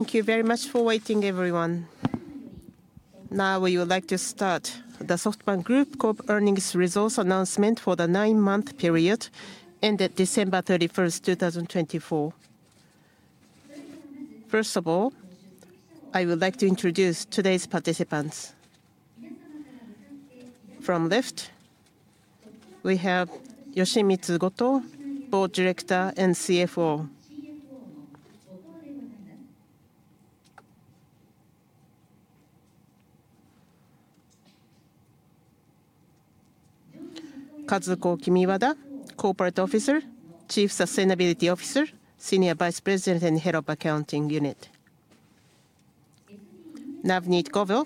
Thank you very much for waiting, everyone. Now, we would like to start the SoftBank Group Corp. Earnings Results Announcement for the nine-month period ended December 31, 2024. First of all, I would like to introduce today's participants. From left, we have Yoshimitsu Goto, Board Director and CFO. Kazuko Kimiwada, Corporate Officer, Chief Sustainability Officer, Senior Vice President and Head of Accounting Unit. Navneet Govil,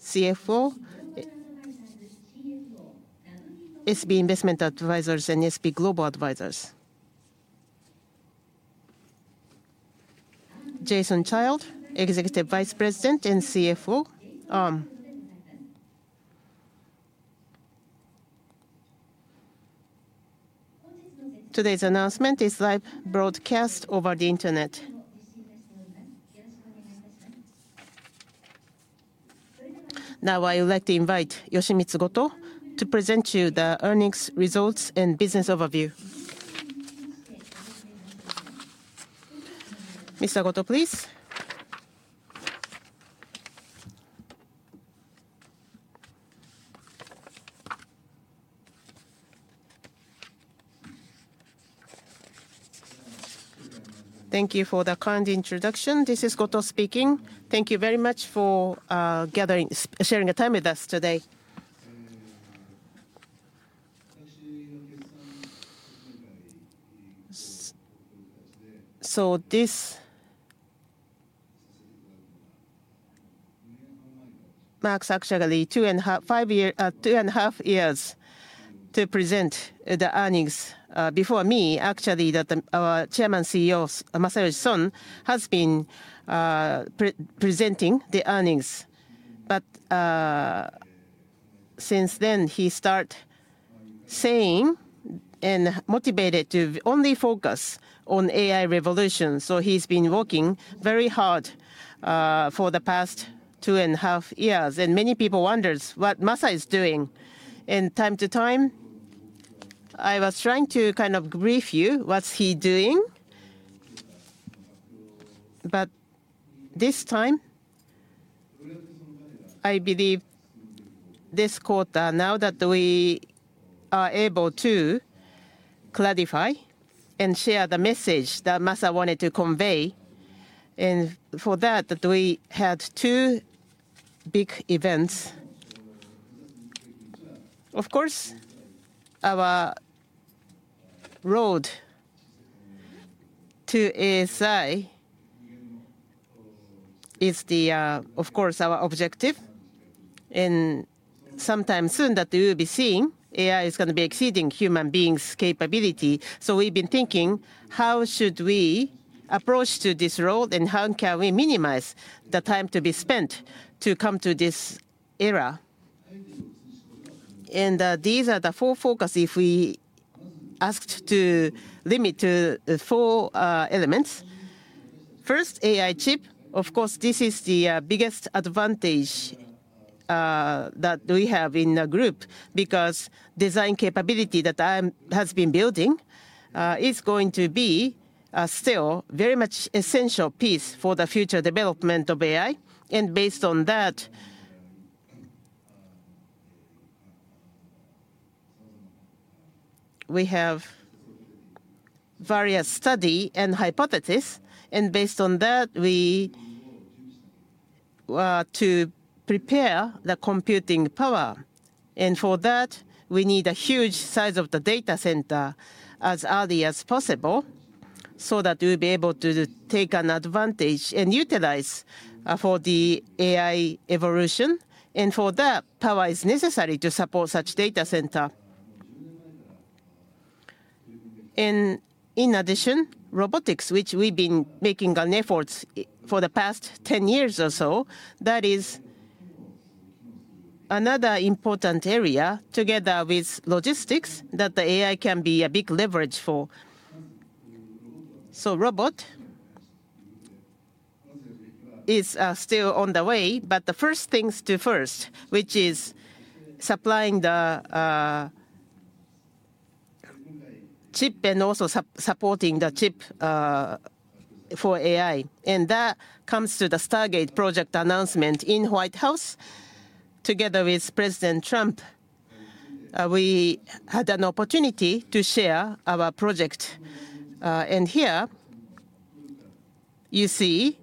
CFO, SB Investment Advisers and SB Global Advisers. Jason Child, Executive Vice President and CFO. Today's announcement is live broadcast over the Internet. Now, I would like to invite Yoshimitsu Goto to present to you the earnings results and business overview. Mr. Goto, please. Thank you for the kind introduction. This is Goto speaking. Thank you very much for sharing your time with us today. So this marks actually two and a half years to present the earnings. Before me, actually, our Chairman and CEO, Masayoshi Son, has been presenting the earnings. But since then, he started saying and motivated to only focus on AI revolution. So he's been working very hard for the past two and a half years. And many people wondered what Masayoshi is doing. And from time to time, I was trying to kind of brief you what's he's doing. But this time, I believe this quarter, now that we are able to clarify and share the message that Masayoshi wanted to convey. And for that, we had two big events. Of course, our road to ASI is, of course, our objective. And sometime soon, that we will be seeing AI is going to be exceeding human beings' capability. So we've been thinking, how should we approach this road, and how can we minimize the time to be spent to come to this era? These are the four focuses if we are asked to limit to four elements. First, AI chip. Of course, this is the biggest advantage that we have in the group because design capability that has been building is going to be still a very much essential piece for the future development of AI. And based on that, we have various studies and hypotheses. And based on that, we are to prepare the computing power. And for that, we need a huge size of the data center as early as possible so that we'll be able to take an advantage and utilize for the AI evolution. And for that, power is necessary to support such data center. And in addition, robotics, which we've been making efforts for the past 10 years or so, that is another important area together with logistics that the AI can be a big leverage for. Robot is still on the way. The first things to first, which is supplying the chip and also supporting the chip for AI. That comes to the Stargate project announcement in the White House. Together with President Trump, we had an opportunity to share our project. Here, you see,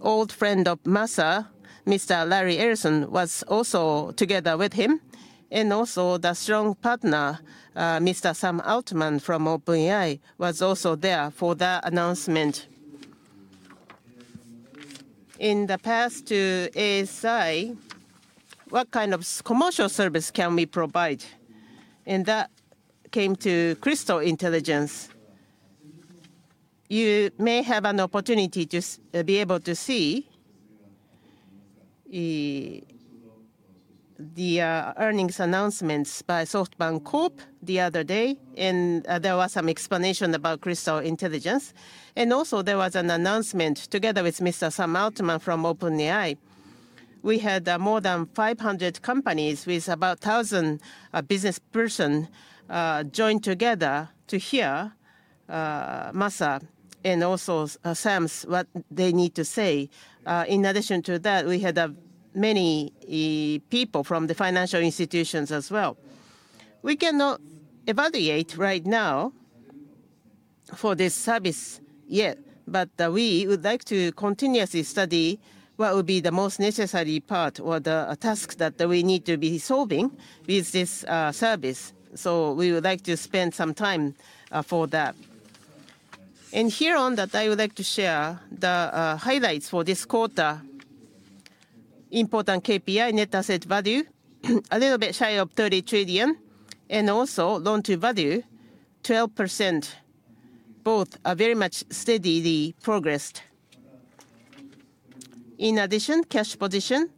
old friend of Masayoshi, Mr. Larry Ellison, was also together with him. Also the strong partner, Mr. Sam Altman from OpenAI, was also there for that announcement. In the past, to ASI, what kind of commercial service can we provide? That came to Crystal Intelligence. You may have an opportunity to be able to see the earnings announcements by SoftBank Corp the other day. There was some explanation about Crystal Intelligence. Also, there was an announcement together with Mr. Sam Altman from OpenAI. We had more than 500 companies with about 1,000 business persons join together to hear Masayoshi Son and also Sam Altman's what they need to say. In addition to that, we had many people from the financial institutions as well. We cannot evaluate right now for this service yet, but we would like to continuously study what would be the most necessary part or the task that we need to be solving with this service. We would like to spend some time for that, and here on that, I would like to share the highlights for this quarter. Important KPI, net asset value, a little bit shy of 30 trillion, and also loan to value, 12%. Both are very much steadily progressed. In addition, cash position,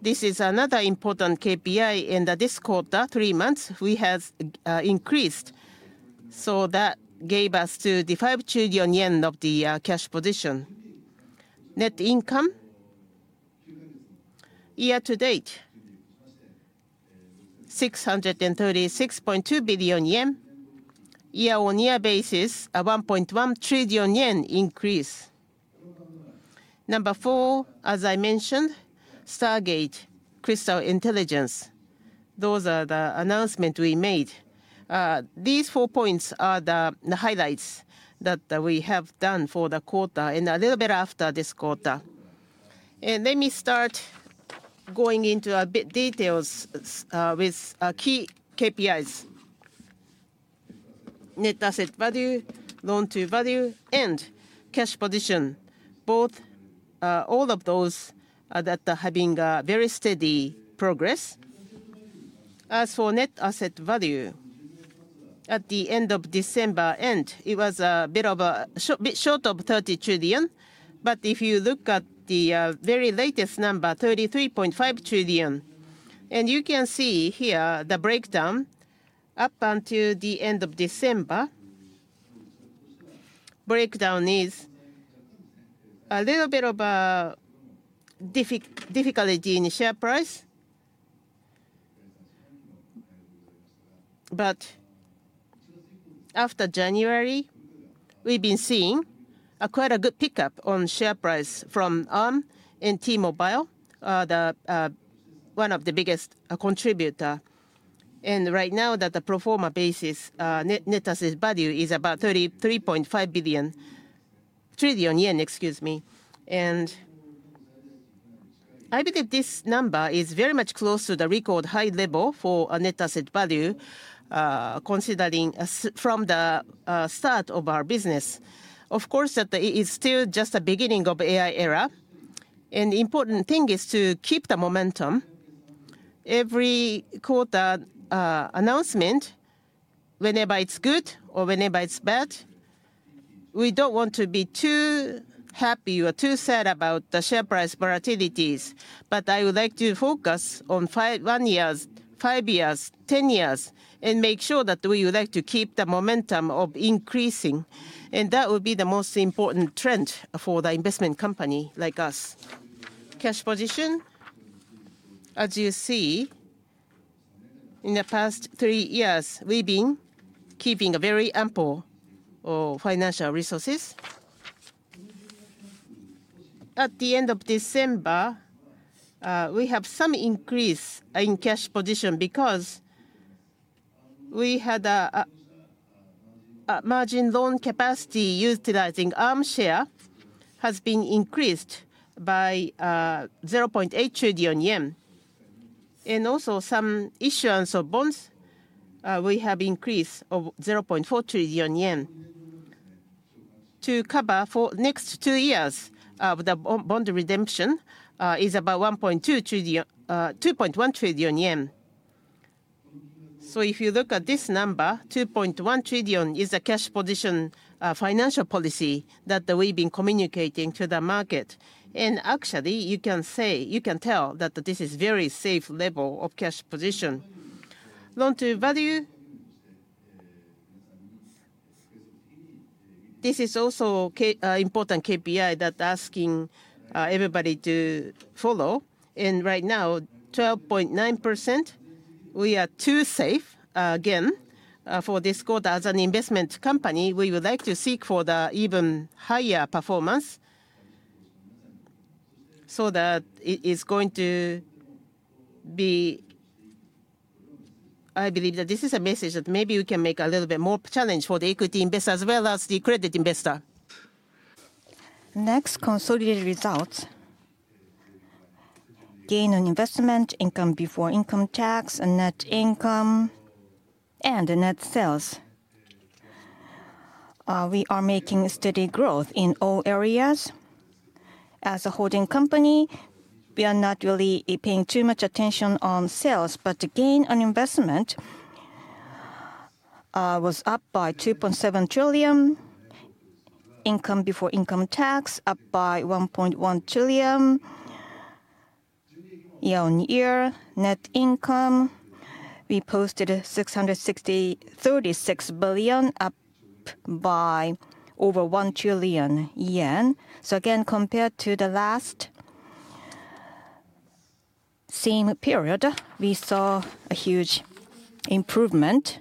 this is another important KPI in this quarter; three months, we have increased. That gave us to the 5 trillion yen of the cash position. Net income, year to date, 636.2 billion yen. Year-on-year basis, a 1.1 trillion yen increase. Number four, as I mentioned, Stargate, Crystal Intelligence. Those are the announcements we made. These four points are the highlights that we have done for the quarter and a little bit after this quarter. Let me start going into a bit details with key KPIs. Net asset value, loan to value, and cash position, both all of those that are having very steady progress. As for net asset value, at the end of December end, it was a bit of a bit short of 30 trillion. But if you look at the very latest number, 33.5 trillion. You can see here the breakdown up until the end of December. Breakdown is a little bit of a difficulty in share price. But after January, we've been seeing quite a good pickup on share price from Arm and T-Mobile, one of the biggest contributors. And right now, on the performance basis, net asset value is about 33.5 trillion yen, excuse me. And I believe this number is very much close to the record high level for a net asset value considering from the start of our business. Of course, that is still just the beginning of the AI era. And the important thing is to keep the momentum. Every quarter announcement, whenever it's good or whenever it's bad, we don't want to be too happy or too sad about the share price volatilities. But I would like to focus on one year, five years, ten years, and make sure that we would like to keep the momentum of increasing. That would be the most important trend for the investment company like us. Cash position, as you see, in the past three years, we've been keeping a very ample of financial resources. At the end of December, we have some increase in cash position because we had a margin loan capacity utilizing Arm shares has been increased by 0.8 trillion yen. Also some issuance of bonds, we have increased of 0.4 trillion yen to cover for next two years of the bond redemption is about 1.1 trillion yen. If you look at this number, 2.1 trillion is the cash position financial policy that we've been communicating to the market. Actually, you can say, you can tell that this is a very safe level of cash position. Loan to value, this is also an important KPI that's asking everybody to follow. And right now, 12.9%, we are too safe again for this quarter. As an investment company, we would like to seek for the even higher performance so that it is going to be. I believe that this is a message that maybe we can make a little bit more challenge for the equity investor as well as the credit investor. Next, consolidated results, gain on investment, income before income tax, net income, and net sales. We are making steady growth in all areas. As a holding company, we are not really paying too much attention on sales. But the gain on investment was up by 2.7 trillion. Income before income tax, up by 1.1 trillion. Year-on-year net income, we posted 636 billion, up by over 1 trillion yen. So again, compared to the last same period, we saw a huge improvement.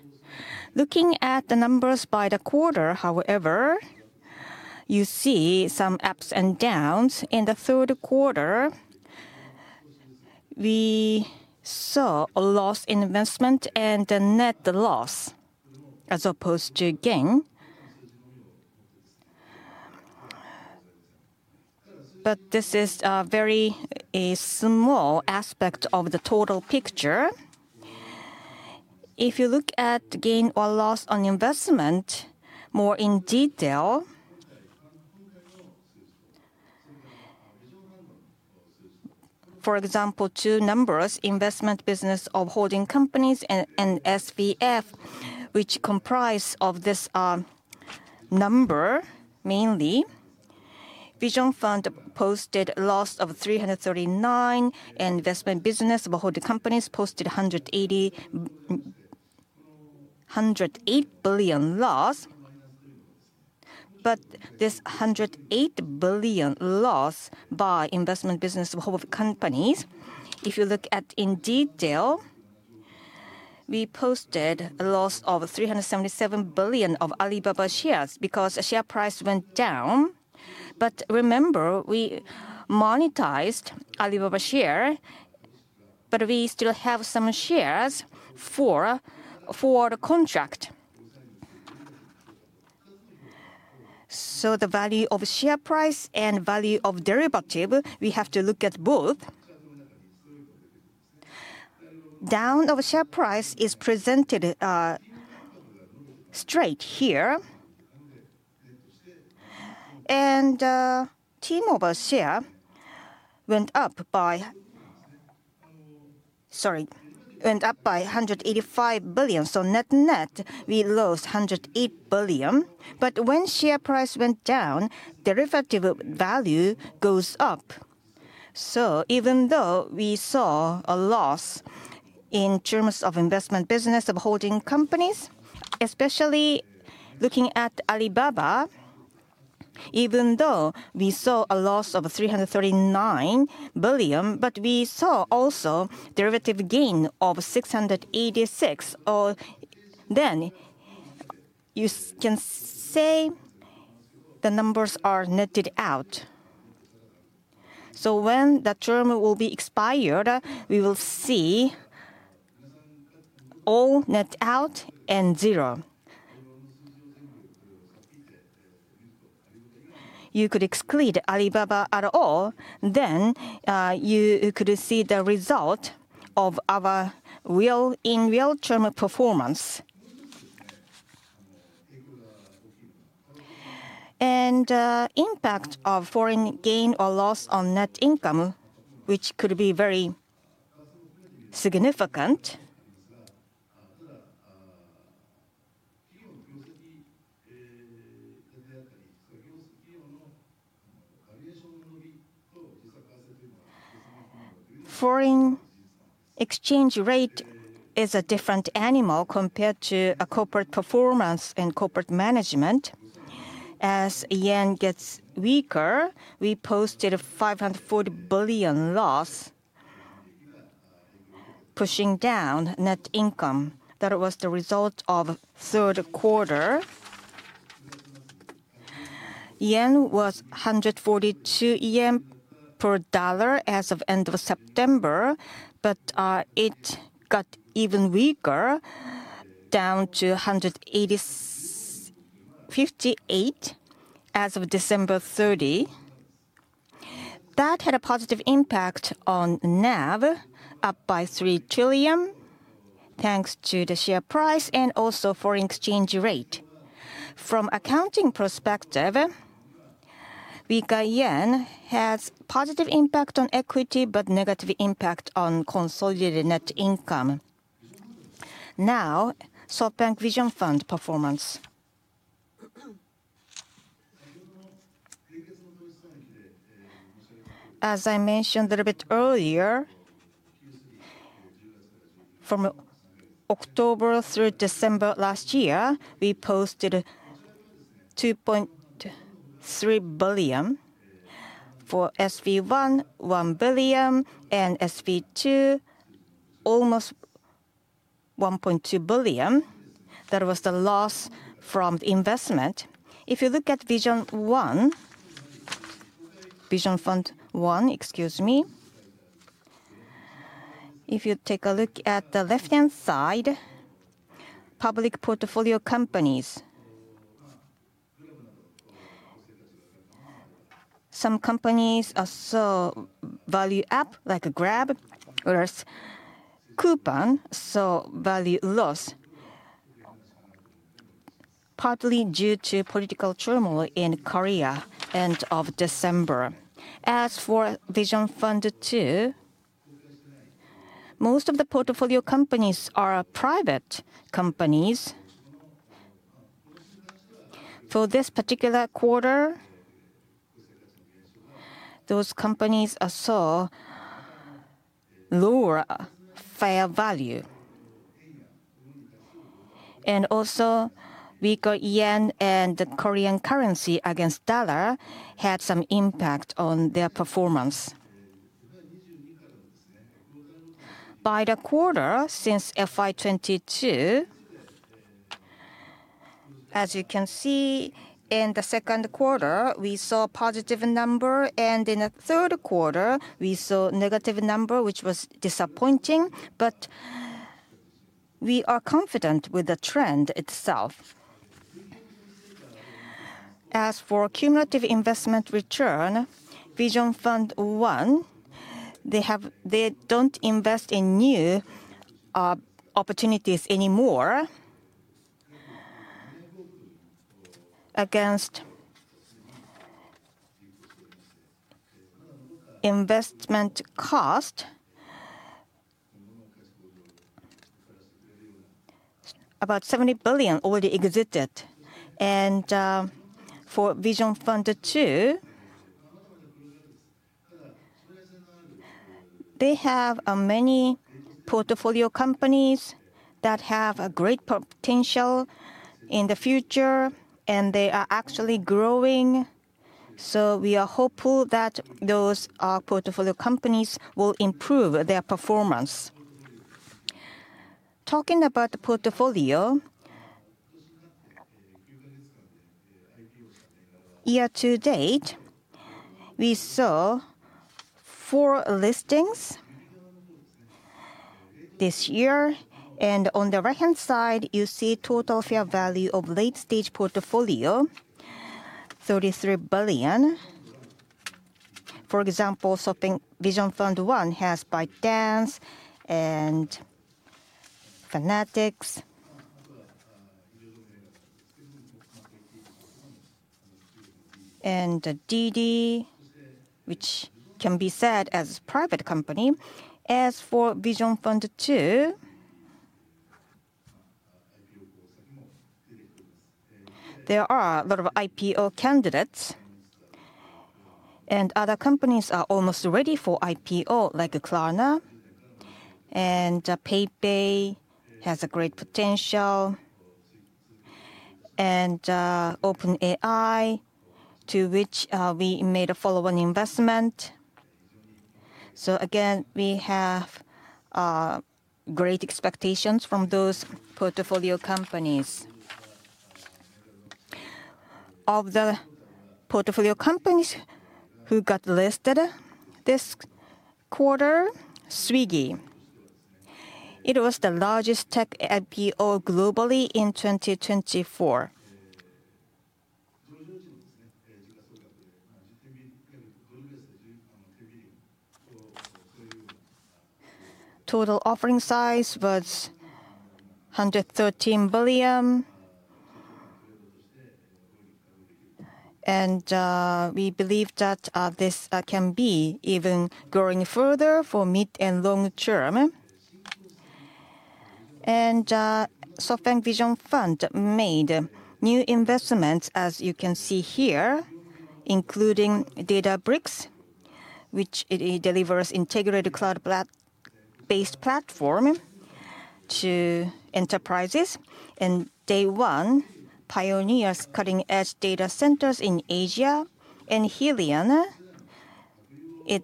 Looking at the numbers by the quarter, however, you see some ups and downs. In the third quarter, we saw a loss in investment and a net loss as opposed to gain. But this is a very small aspect of the total picture. If you look at gain or loss on investment more in detail, for example, two numbers, investment business of holding companies and SVF, which comprise of this number mainly. Vision Fund posted loss of 339 billion, and investment business of holding companies posted 188 billion loss. But this 108 billion loss by investment business of holding companies, if you look at in detail, we posted a loss of 377 billion of Alibaba shares because share price went down. But remember, we monetized Alibaba share, but we still have some shares for the contract. The value of share price and value of derivative, we have to look at both. Down of share price is presented straight here. T-Mobile share went up by, sorry, went up by 185 billion. So net net, we lost 108 billion. But when share price went down, derivative value goes up. So even though we saw a loss in terms of investment business of holding companies, especially looking at Alibaba, even though we saw a loss of 339 billion, but we saw also derivative gain of 686 billion, then you can say the numbers are netted out. So when the term will be expired, we will see all net out and zero. You could exclude Alibaba at all, then you could see the result of our real in real term performance. Impact of foreign gain or loss on net income, which could be very significant. Foreign exchange rate is a different animal compared to a corporate performance and corporate management. As yen gets weaker, we posted a 540 billion loss, pushing down net income. That was the result of third quarter. Yen was 142 yen per dollar as of end of September, but it got even weaker, down to 186.58 as of December 30. That had a positive impact on NAV, up by 3 trillion, thanks to the share price and also foreign exchange rate. From accounting perspective, weak yen has positive impact on equity, but negative impact on consolidated net income. Now, SoftBank Vision Fund performance. As I mentioned a little bit earlier, from October through December last year, we posted $2.3 billion for SV1, $1 billion, and SV2, almost $1.2 billion. That was the loss from the investment. If you look at Vision One, Vision Fund One, excuse me. If you take a look at the left-hand side, public portfolio companies. Some companies saw value up, like Grab or Coupang, saw value loss, partly due to political turmoil in Korea end of December. As for Vision Fund Two, most of the portfolio companies are private companies. For this particular quarter, those companies saw lower fair value. And also, weaker yen and the Korean currency against dollar had some impact on their performance. By the quarter since FY22, as you can see, in the second quarter, we saw a positive number, and in the third quarter, we saw a negative number, which was disappointing, but we are confident with the trend itself. As for cumulative investment return, Vision Fund One, they don't invest in new opportunities anymore against investment cost. About JPY 70 billion already exited. For Vision Fund Two, they have many portfolio companies that have a great potential in the future, and they are actually growing. We are hopeful that those portfolio companies will improve their performance. Talking about the portfolio, year to date, we saw four listings this year. On the right-hand side, you see total fair value of late-stage portfolio, $33 billion. For example, SoftBank Vision Fund One has ByteDance and Fanatics, and DiDi, which can be said as a private company. As for Vision Fund Two, there are a lot of IPO candidates, and other companies are almost ready for IPO, like Klarna, and PayPay has a great potential, and OpenAI, to which we made a follow-on investment. Again, we have great expectations from those portfolio companies. Of the portfolio companies who got listed this quarter, Swiggy. It was the largest tech IPO globally in 2024. Total offering size was $113 billion, and we believe that this can be even growing further for mid and long term. SoftBank Vision Fund made new investments, as you can see here, including Databricks, which delivers integrated cloud-based platform to enterprises. DayOne pioneers cutting-edge data centers in Asia, and Helion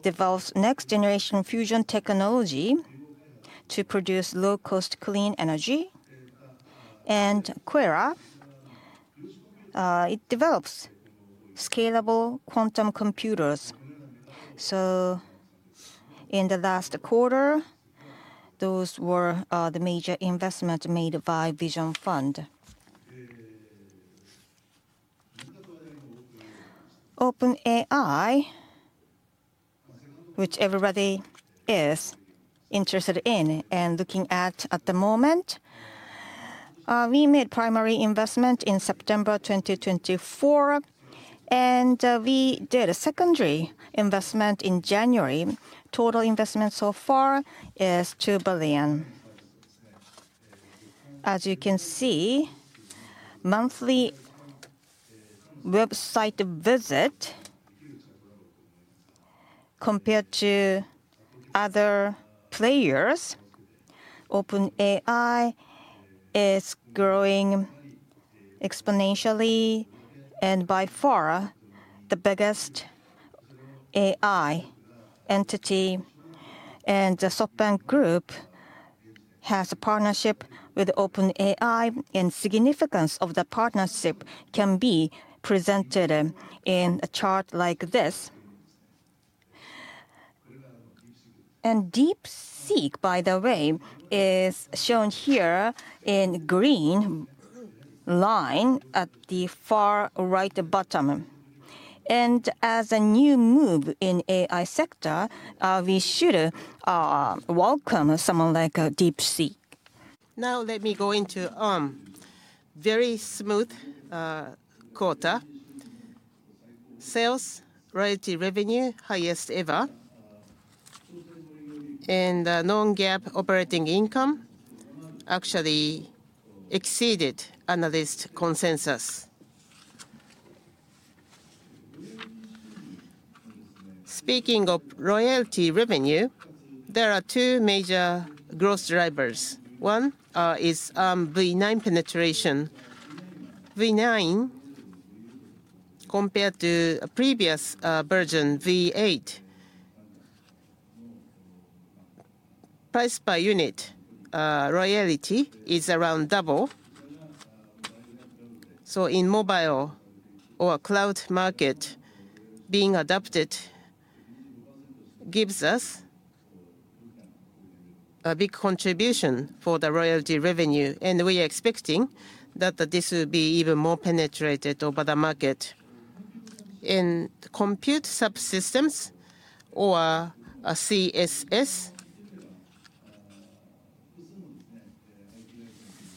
develops next-generation fusion technology to produce low-cost clean energy. QuEra develops scalable quantum computers. In the last quarter, those were the major investments made by Vision Fund. OpenAI, which everybody is interested in and looking at at the moment, we made primary investment in September 2024, and we did a secondary investment in January. Total investment so far is $2 billion. As you can see, monthly website visit compared to other players, OpenAI is growing exponentially and by far the biggest AI entity. The SoftBank Group has a partnership with OpenAI, and the significance of the partnership can be presented in a chart like this. DeepSeek, by the way, is shown here in green line at the far right bottom. As a new move in the AI sector, we should welcome someone like DeepSeek. Now let me go into a very smooth quarter. Sales, royalty revenue, highest ever, and non-GAAP operating income actually exceeded analyst consensus. Speaking of royalty revenue, there are two major growth drivers. One is V9 penetration. V9, compared to a previous version, V8, price per unit royalty is around double. So in mobile or cloud market, being adopted gives us a big contribution for the royalty revenue, and we are expecting that this will be even more penetrated over the market. In Compute Subsystems or CSS,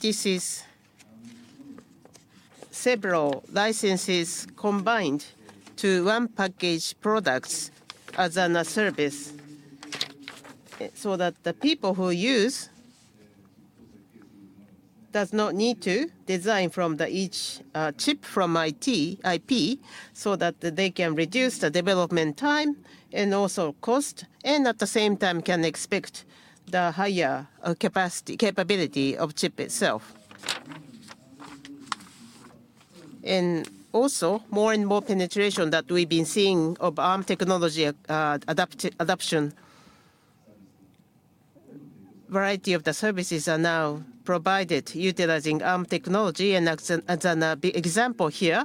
this is several licenses combined to one package products as a service, so that the people who use do not need to design from each chip from IP so that they can reduce the development time and also cost, and at the same time can expect the higher capacity capability of the chip itself, and also, more and more penetration that we've been seeing of ARM technology adoption. Variety of the services are now provided utilizing ARM technology, and as an example here,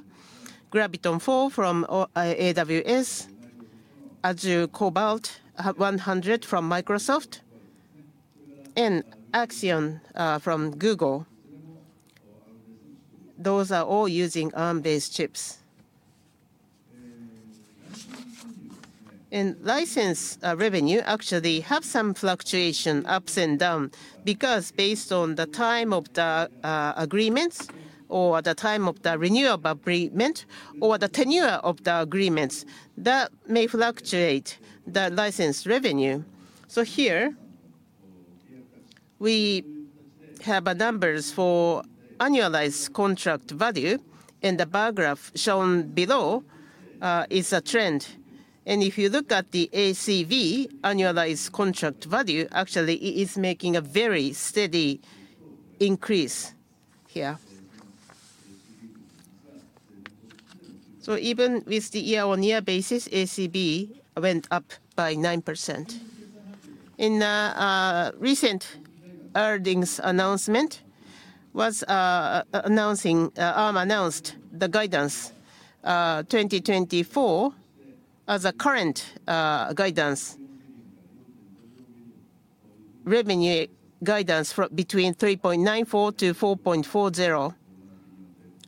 Graviton4 from AWS, Azure Cobalt 100 from Microsoft, and Axion from Google. Those are all using ARM-based chips, and license revenue actually has some fluctuation ups and downs because based on the time of the agreements or the time of the renewal of agreements or the tenure of the agreements, that may fluctuate the license revenue. Here, we have numbers for annualized contract value, and the bar graph shown below is a trend. If you look at the ACV, annualized contract value, actually it is making a very steady increase here. Even with the year-on-year basis, ACV went up by 9%. In a recent earnings announcement, ARM announced the guidance 2024 as a current guidance revenue guidance between $3.94-$4.40 billion,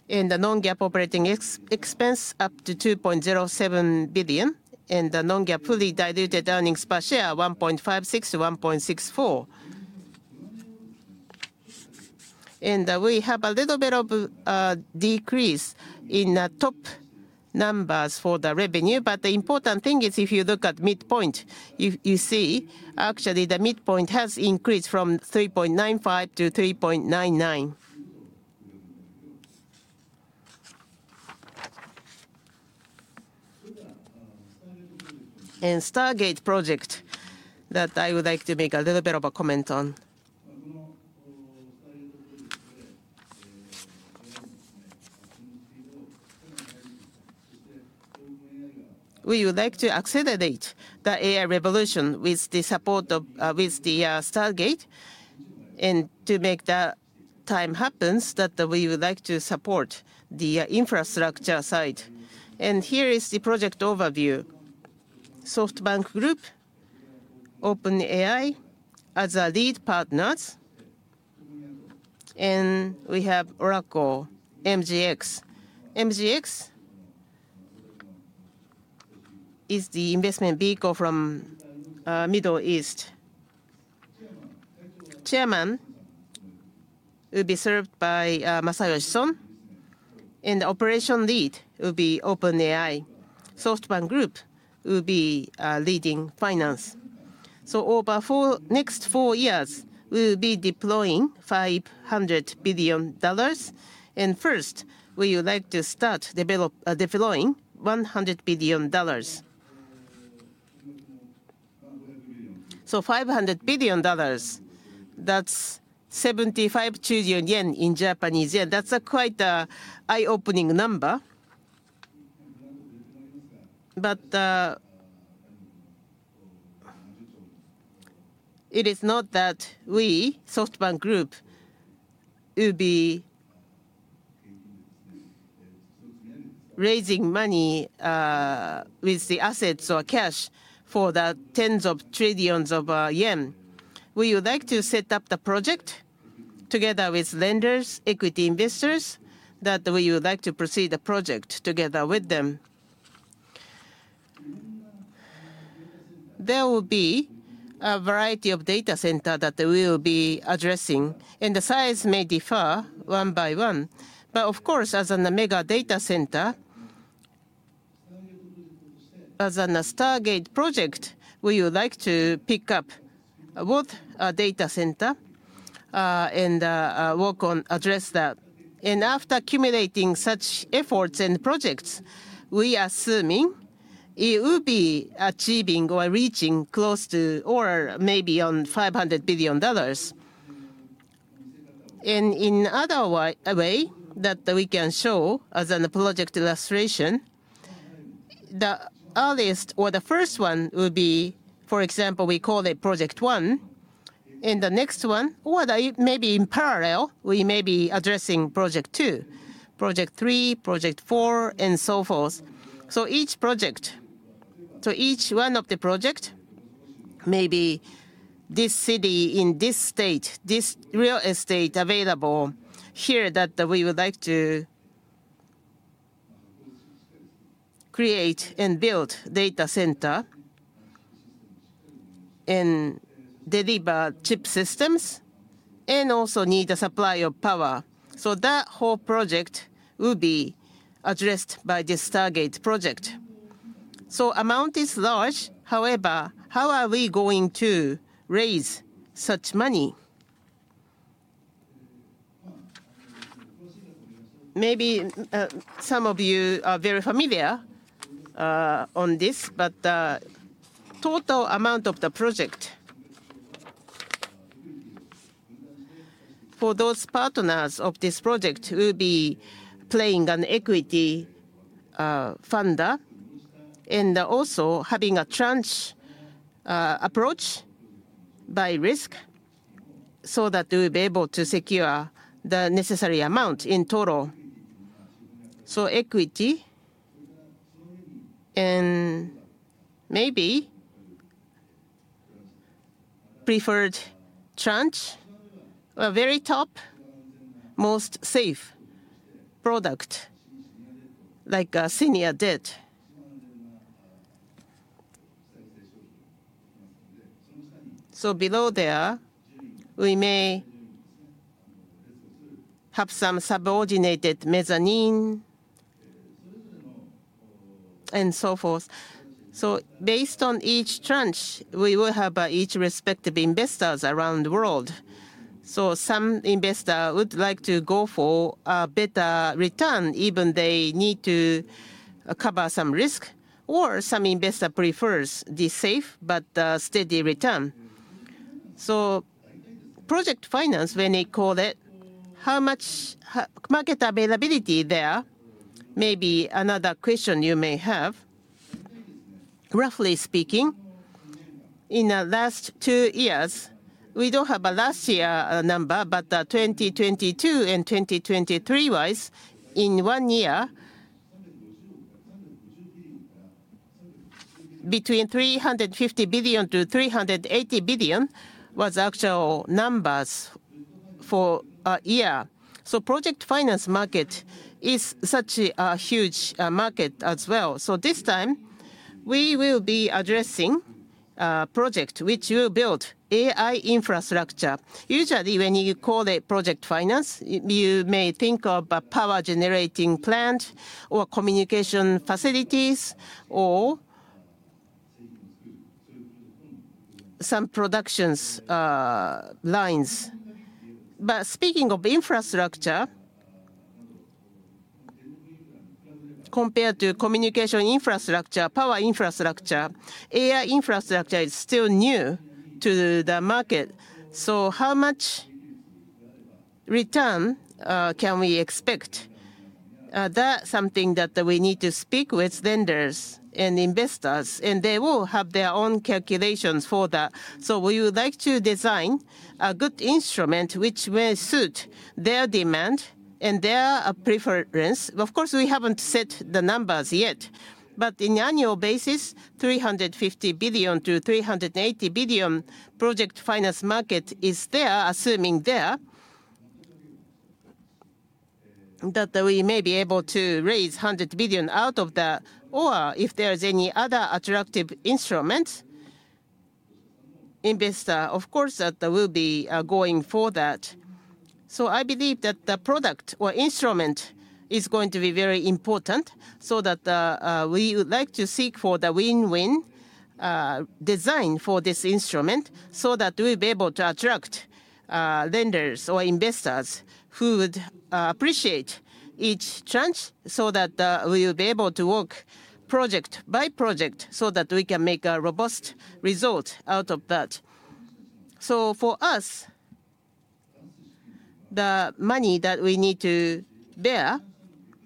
and the non-GAAP operating expense up to $2.07 billion, and the non-GAAP fully diluted earnings per share $1.56-$1.64. We have a little bit of a decrease in the top numbers for the revenue, but the important thing is if you look at midpoint, you see actually the midpoint has increased from $3.95-$3.99 billion. Stargate Project that I would like to make a little bit of a comment on. We would like to accelerate the AI revolution with the support of Stargate and to make the time happen that we would like to support the infrastructure side. Here is the project overview. SoftBank Group and OpenAI as our lead partners, and we have Oracle and MGX. MGX is the investment vehicle from the Middle East. The Chairman will be chaired by Masayoshi Son, and the operational lead will be OpenAI. SoftBank Group will be leading finance. Over the next four years, we will be deploying $500 billion, and first, we would like to start deploying $100 billion. $500 billion, that's 75 trillion yen in Japanese yen. That's quite an eye-opening number. But it is not that we, SoftBank Group, will be raising money with the assets or cash for the tens of trillions of JPY. We would like to set up the project together with lenders, equity investors, that we would like to proceed the project together with them. There will be a variety of data centers that we will be addressing, and the size may differ one by one. But of course, as a mega data center, as a Stargate project, we would like to pick up both a data center and work on addressing that. And after accumulating such efforts and projects, we are assuming it will be achieving or reaching close to or maybe on $500 billion. And in other ways that we can show as a project illustration, the earliest or the first one will be, for example, we call it Project One. In the next one, or maybe in parallel, we may be addressing Project Two, Project Three, Project Four, and so forth. So each project, so each one of the projects, maybe this city in this state, this real estate available here that we would like to create and build a data center and deliver chip systems and also need a supply of power. So that whole project will be addressed by this Stargate project. So the amount is large. However, how are we going to raise such money? Maybe some of you are very familiar on this, but the total amount of the project for those partners of this project will be playing an equity funder and also having a tranche approach by risk so that we'll be able to secure the necessary amount in total. So equity and maybe preferred tranche, very top, most safe product, like senior debt. So below there, we may have some subordinated mezzanine and so forth. Based on each tranche, we will have each respective investors around the world. Some investors would like to go for a better return, even they need to cover some risk, or some investors prefer the safe but steady return. Project finance, when they call it, how much market availability there may be another question you may have. Roughly speaking, in the last two years, we don't have a last year number, but 2022 and 2023 wise, in one year, between $350 billion-$380 billion was actual numbers for a year. The project finance market is such a huge market as well. This time, we will be addressing a project which will build AI infrastructure. Usually, when you call it project finance, you may think of a power generating plant or communication facilities or some production lines. But speaking of infrastructure, compared to communication infrastructure, power infrastructure, AI infrastructure is still new to the market. So how much return can we expect? That's something that we need to speak with lenders and investors, and they will have their own calculations for that. So we would like to design a good instrument which may suit their demand and their preference. Of course, we haven't set the numbers yet, but on an annual basis, 350 billion-380 billion project finance market is there, assuming that we may be able to raise 100 billion out of that, or if there is any other attractive instrument, investor, of course, that will be going for that. I believe that the product or instrument is going to be very important so that we would like to seek for the win-win design for this instrument so that we'll be able to attract lenders or investors who would appreciate each tranche so that we will be able to work project by project so that we can make a robust result out of that. For us, the money that we need to bear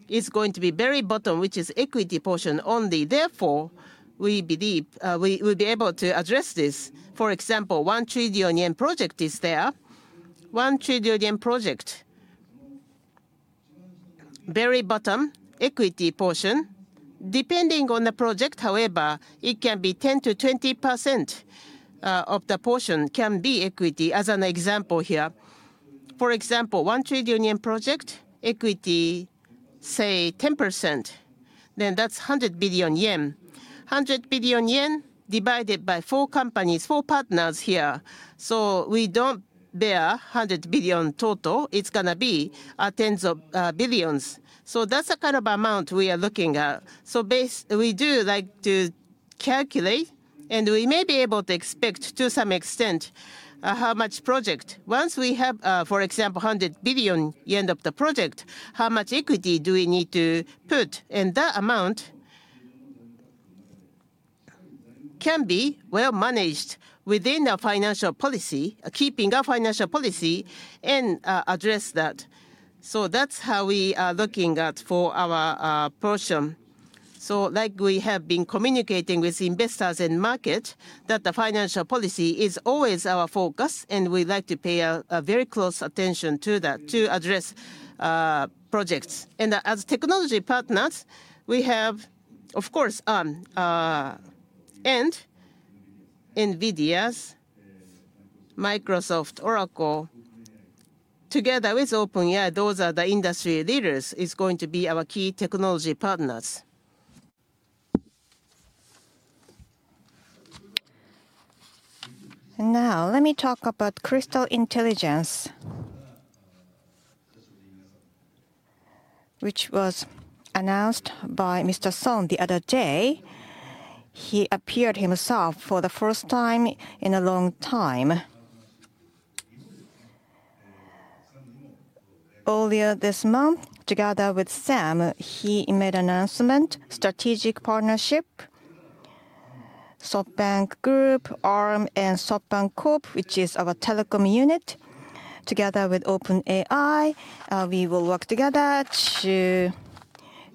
is going to be very bottom, which is equity portion only. Therefore, we believe we will be able to address this. For example, a 1 trillion yen project is there. 1 trillion yen project, very bottom equity portion. Depending on the project, however, it can be 10%-20% of the portion can be equity as an example here. For example, 1 trillion yen project, equity, say 10%, then that's 100 billion yen. 100 billion yen divided by four companies, four partners here. So we don't bear 100 billion total. It's going to be tens of billions. So that's the kind of amount we are looking at. So we do like to calculate, and we may be able to expect to some extent how much project. Once we have, for example, 100 billion yen of the project, how much equity do we need to put? And that amount can be well managed within our financial policy, keeping our financial policy and address that. So that's how we are looking at for our portion. So like we have been communicating with investors and market that the financial policy is always our focus, and we like to pay a very close attention to that to address projects. As technology partners, we have, of course, Arm and NVIDIA, Microsoft, Oracle, together with OpenAI. Those are the industry leaders. It's going to be our key technology partners. Now let me talk about Crystal Intelligence, which was announced by Mr. Son the other day. He appeared himself for the first time in a long time. Earlier this month, together with Sam, he made an announcement. Strategic partnership, SoftBank Group, Arm, and SoftBank Corp, which is our telecom unit. Together with OpenAI, we will work together to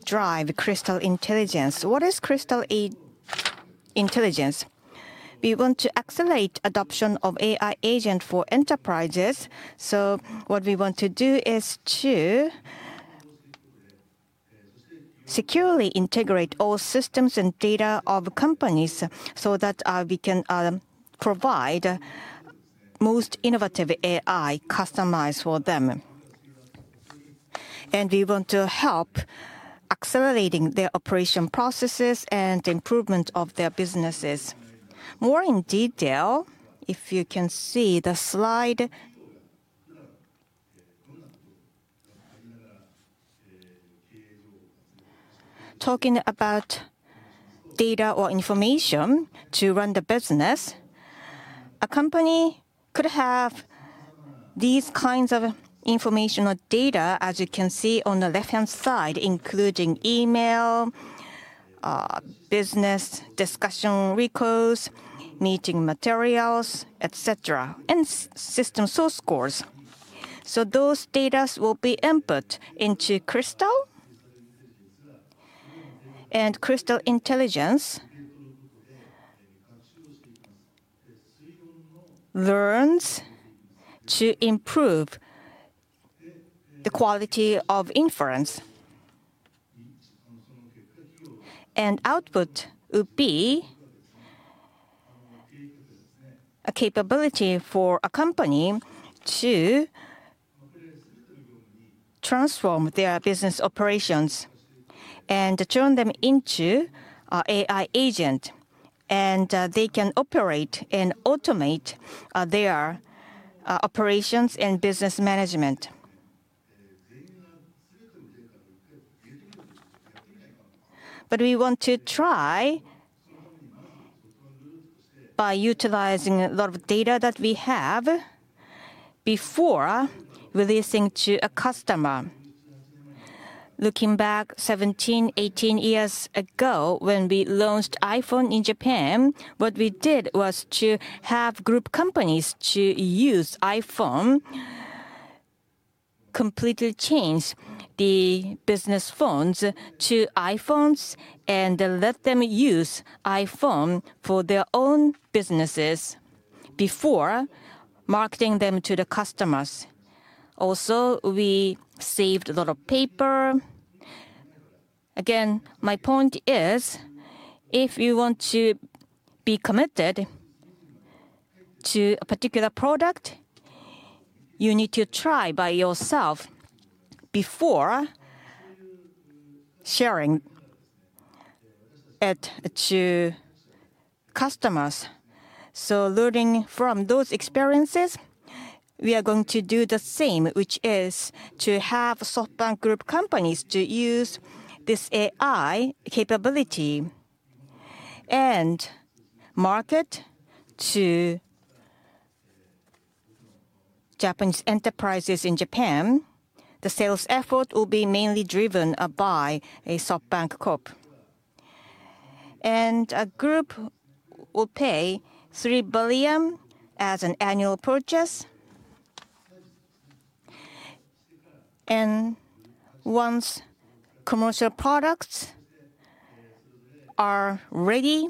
drive Crystal Intelligence. What is Crystal Intelligence? We want to accelerate adoption of AI agents for enterprises. So what we want to do is to securely integrate all systems and data of companies so that we can provide the most innovative AI customized for them. And we want to help accelerating their operation processes and improvement of their businesses. More in detail, if you can see the slide, talking about data or information to run the business, a company could have these kinds of informational data, as you can see on the left-hand side, including email, business discussion recalls, meeting materials, etc., and system source codes. So those data will be input into Crystal, and Crystal Intelligence learns to improve the quality of inference, and output would be a capability for a company to transform their business operations and turn them into an AI agent, and they can operate and automate their operations and business management. But we want to try by utilizing a lot of data that we have before releasing to a customer. Looking back 17, 18 years ago when we launched iPhone in Japan, what we did was to have group companies use iPhone, completely change the business phones to iPhones and let them use iPhone for their own businesses before marketing them to the customers. Also, we saved a lot of paper. Again, my point is, if you want to be committed to a particular product, you need to try by yourself before sharing it to customers. So learning from those experiences, we are going to do the same, which is to have SoftBank Group companies use this AI capability and market to Japanese enterprises in Japan. The sales effort will be mainly driven by a SoftBank Corp., and a group will pay 3 billion as an annual purchase. And once commercial products are ready,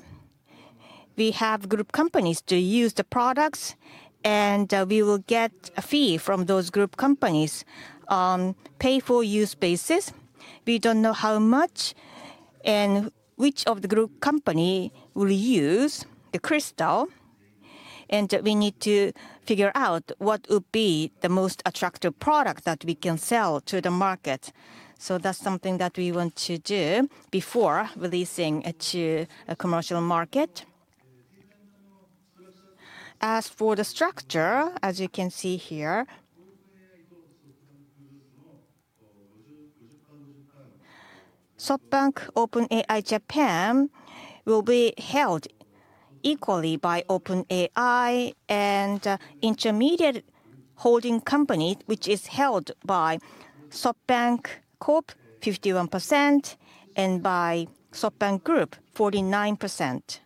we have group companies to use the products, and we will get a fee from those group companies on pay-for-use basis. We don't know how much and which of the group companies will use the Crystal, and we need to figure out what would be the most attractive product that we can sell to the market. So that's something that we want to do before releasing it to a commercial market. As for the structure, as you can see here, SoftBank OpenAI Japan will be held equally by OpenAI and intermediate holding companies, which is held by SoftBank Corp, 51%, and by SoftBank Group, 49%.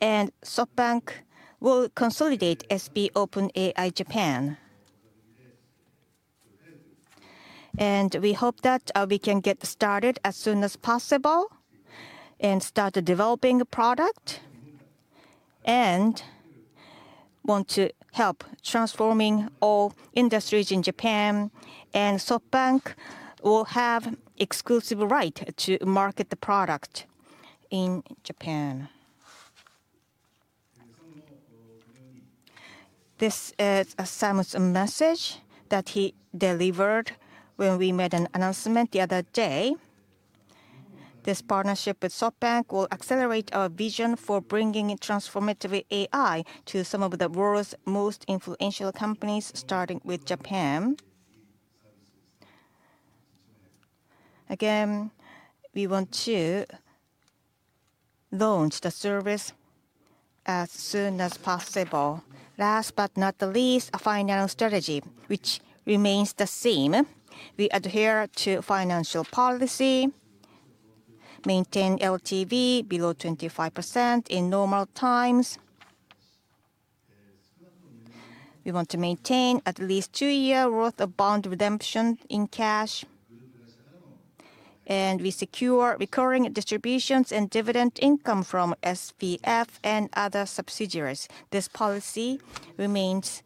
And SoftBank will consolidate SB OpenAI Japan. And we hope that we can get started as soon as possible and start developing a product and want to help transforming all industries in Japan. And SoftBank will have exclusive rights to market the product in Japan. This is Sam's message that he delivered when we made an announcement the other day. This partnership with SoftBank will accelerate our vision for bringing transformative AI to some of the world's most influential companies, starting with Japan. Again, we want to launch the service as soon as possible. Last but not the least, a financial strategy, which remains the same. We adhere to financial policy, maintain LTV below 25% in normal times. We want to maintain at least two-year worth of bond redemption in cash, and we secure recurring distributions and dividend income from SPF and other subsidiaries. This policy remains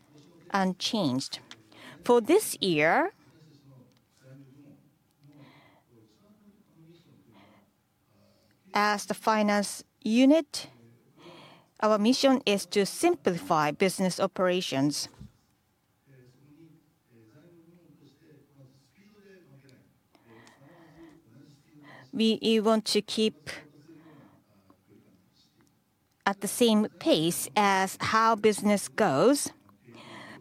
unchanged. For this year, as the finance unit, our mission is to simplify business operations. We want to keep at the same pace as how business goes.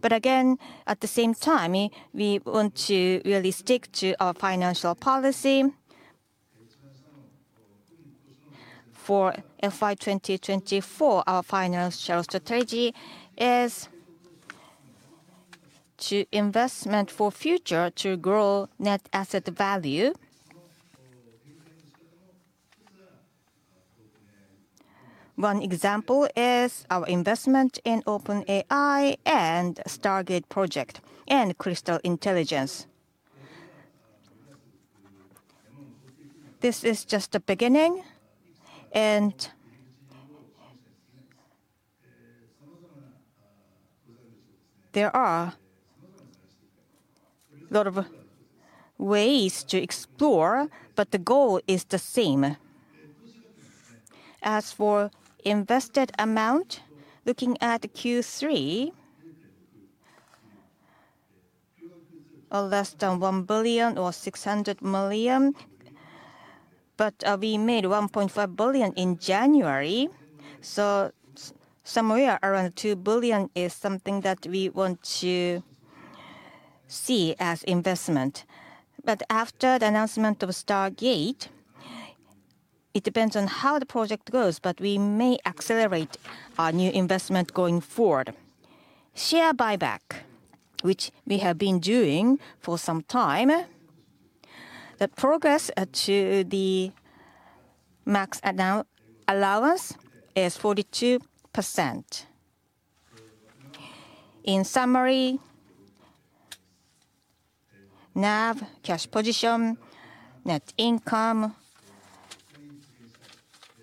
But again, at the same time, we want to really stick to our financial policy. For FY 2024, our financial strategy is to invest for the future to grow net asset value. One example is our investment in OpenAI and Stargate project and Crystal Intelligence. This is just the beginning, and there are a lot of ways to explore, but the goal is the same. As for invested amount, looking at Q3, less than 1 billion or 600 million, but we made 1.5 billion in January. So somewhere around 2 billion is something that we want to see as investment. But after the announcement of Stargate, it depends on how the project goes, but we may accelerate our new investment going forward. Share buyback, which we have been doing for some time. The progress to the max allowance is 42%. In summary, NAV, cash position, net income,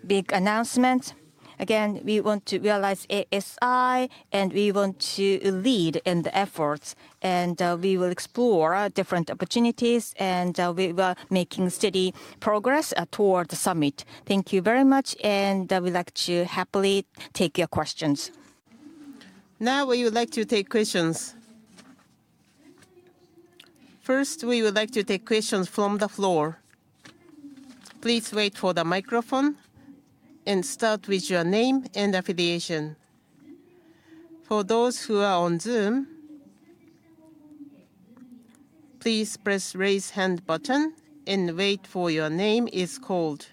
big announcement. Again, we want to realize ASI, and we want to lead in the efforts, and we will explore different opportunities, and we will be making steady progress toward the summit. Thank you very much, and we'd like to happily take your questions. Now we would like to take questions. First, we would like to take questions from the floor. Please wait for the microphone and start with your name and affiliation. For those who are on Zoom, please press the raise hand button and wait for your name to be called.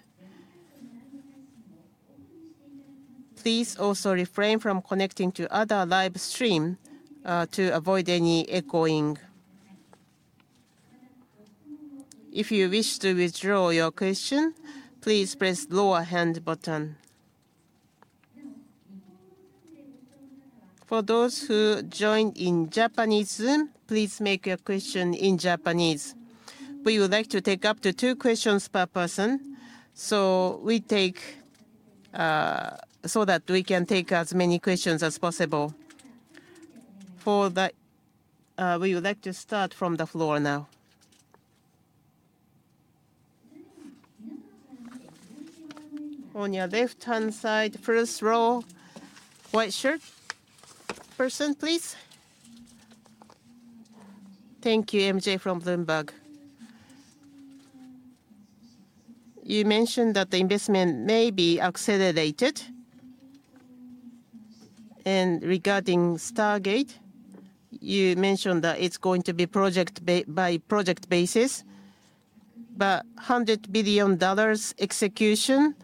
Please also refrain from connecting to other live streams to avoid any echoing. If you wish to withdraw your question, please press the lower hand button. For those who joined in Japanese Zoom, please make your question in Japanese. We would like to take up to two questions per person, so that we can take as many questions as possible. We would like to start from the floor now. On your left-hand side, first row, white shirt. Person, please. Thank you, MJ from Bloomberg. You mentioned that the investment may be accelerated. And regarding Stargate, you mentioned that it's going to be project-by-project basis, but $100 billion execution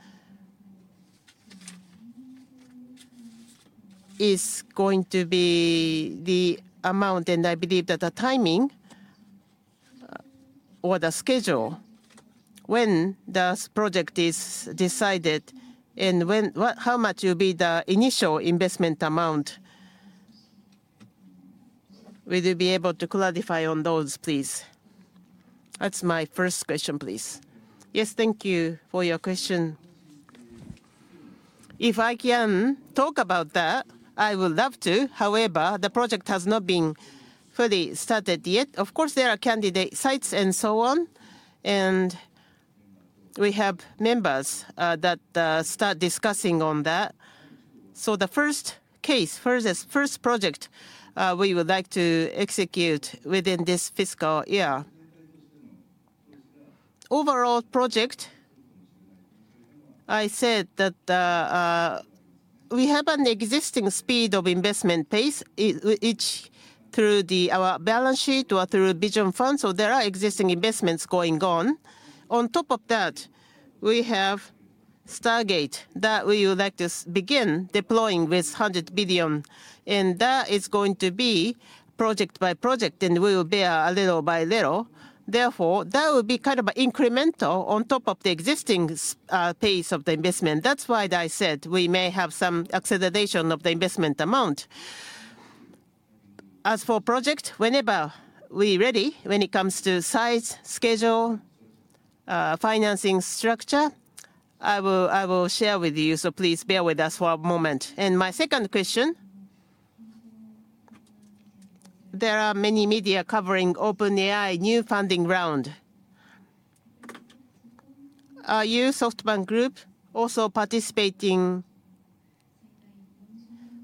is going to be the amount, and I believe that the timing or the schedule when the project is decided and how much will be the initial investment amount. Will you be able to clarify on those, please? That's my first question, please. Yes, thank you for your question. If I can talk about that, I would love to. However, the project has not been fully started yet. Of course, there are candidate sites and so on, and we have members that start discussing on that. So the first case, first project, we would like to execute within this fiscal year. Overall project, I said that we have an existing speed of investment pace, either through our balance sheet or through Vision Funds. So there are existing investments going on. On top of that, we have Stargate that we would like to begin deploying with $100 billion, and that is going to be project-by-project, and we will build a little by little. Therefore, that will be kind of incremental on top of the existing pace of the investment. That's why I said we may have some acceleration of the investment amount. As for project, whenever we're ready, when it comes to size, schedule, financing structure, I will share with you, so please bear with us for a moment. My second question, there are many media covering OpenAI new funding round. Are you, SoftBank Group, also participating?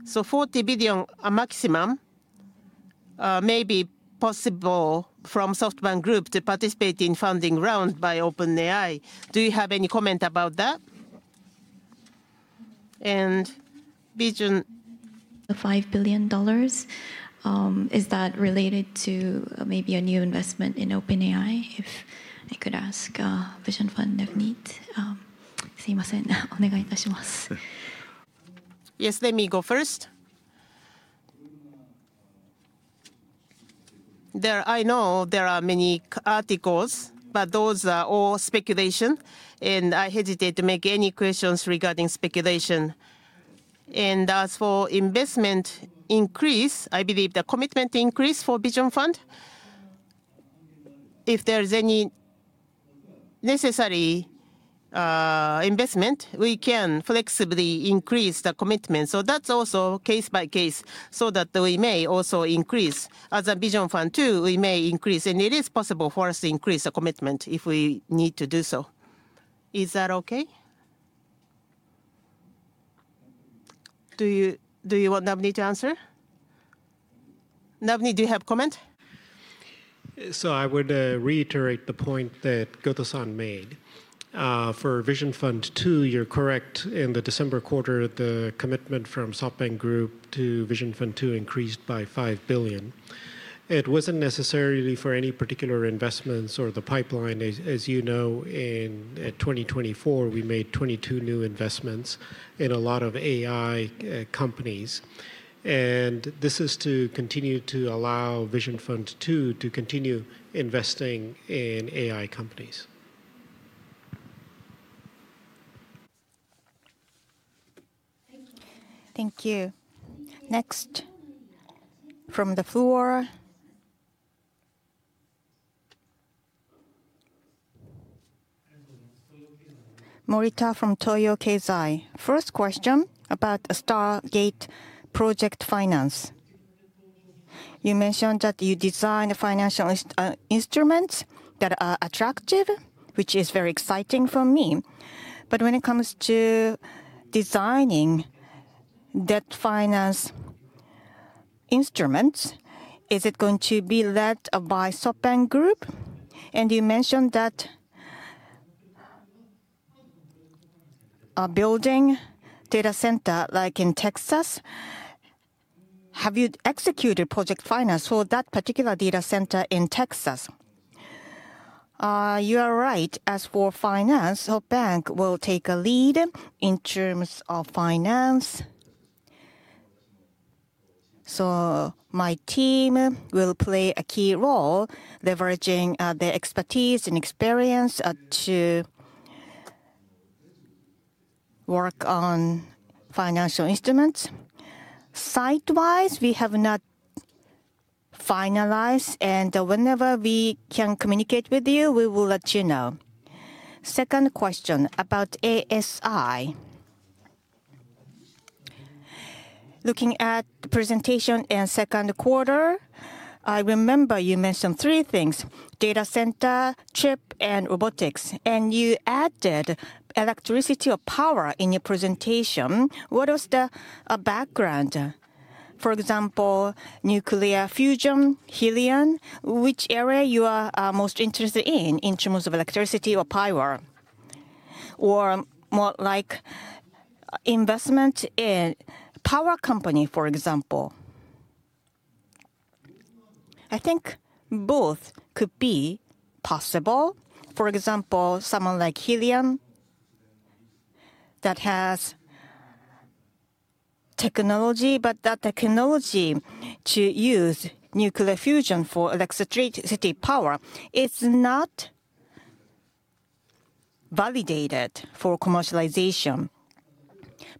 So $40 billion maximum may be possible from SoftBank Group to participate in funding round by OpenAI. Do you have any comment about that? And vision. The $5 billion, is that related to maybe a new investment in OpenAI? If I could ask Vision Fund if need. [Foereign language] Yes, let me go first. I know there are many articles, but those are all speculation, and I hesitate to make any questions regarding speculation. And as for investment increase, I believe the commitment increase for Vision Fund, if there is any necessary investment, we can flexibly increase the commitment. So that's also case by case, so that we may also increase. As for Vision Fund 2, we may increase, and it is possible for us to increase the commitment if we need to do so. Is that okay? Do you want Navneet to answer? Navneet, do you have a comment? So I would reiterate the point that Goto-san made. For Vision Fund 2, you're correct in the December quarter, the commitment from SoftBank Group to Vision Fund 2 increased by 5 billion. It wasn't necessarily for any particular investments or the pipeline. As you know, in 2024, we made 22 new investments in a lot of AI companies, and this is to continue to allow Vision Fund 2 to continue investing in AI companies. Thank you. Next, from the floor, Morita from Toyo Keizai. First question about Stargate project finance. You mentioned that you design financial instruments that are attractive, which is very exciting for me. But when it comes to designing debt finance instruments, is it going to be led by SoftBank Group? And you mentioned that a building data center like in Texas, have you executed project finance for that particular data center in Texas? You are right. As for finance, SoftBank will take a lead in terms of finance. So my team will play a key role, leveraging their expertise and experience to work on financial instruments. Site-wise, we have not finalized, and whenever we can communicate with you, we will let you know. Second question about ASI. Looking at the presentation and second quarter, I remember you mentioned three things: data center, chip, and robotics. And you added electricity or power in your presentation. What was the background? For example, nuclear fusion, Helion, which area you are most interested in in terms of electricity or power? Or more like investment in power company, for example. I think both could be possible. For example, someone like Helion that has technology, but that technology to use nuclear fusion for electricity power is not validated for commercialization.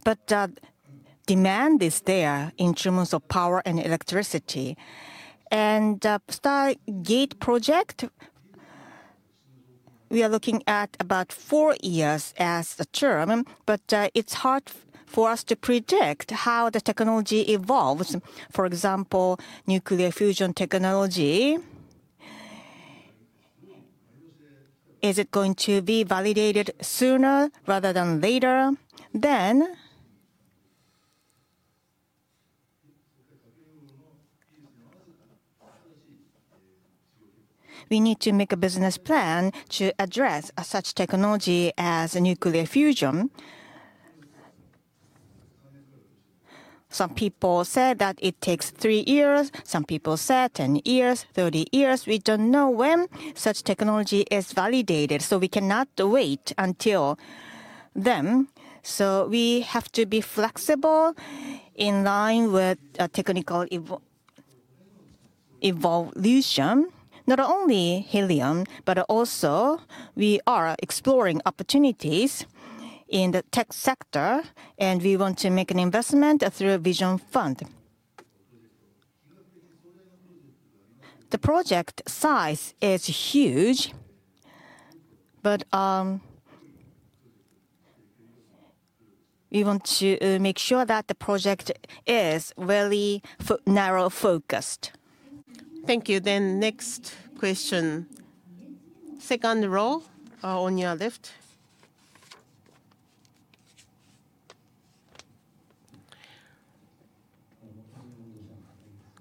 But that demand is there in terms of power and electricity. And the Stargate project, we are looking at about four years as a term, but it's hard for us to predict how the technology evolves. For example, nuclear fusion technology, is it going to be validated sooner rather than later? Then we need to make a business plan to address such technology as nuclear fusion. Some people said that it takes three years. Some people said 10 years, 30 years. We don't know when such technology is validated, so we cannot wait until then. So we have to be flexible in line with technical evolution. Not only helium, but also we are exploring opportunities in the tech sector, and we want to make an investment through Vision Fund. The project size is huge, but we want to make sure that the project is very narrow-focused. Thank you. Then next question. Second row on your left.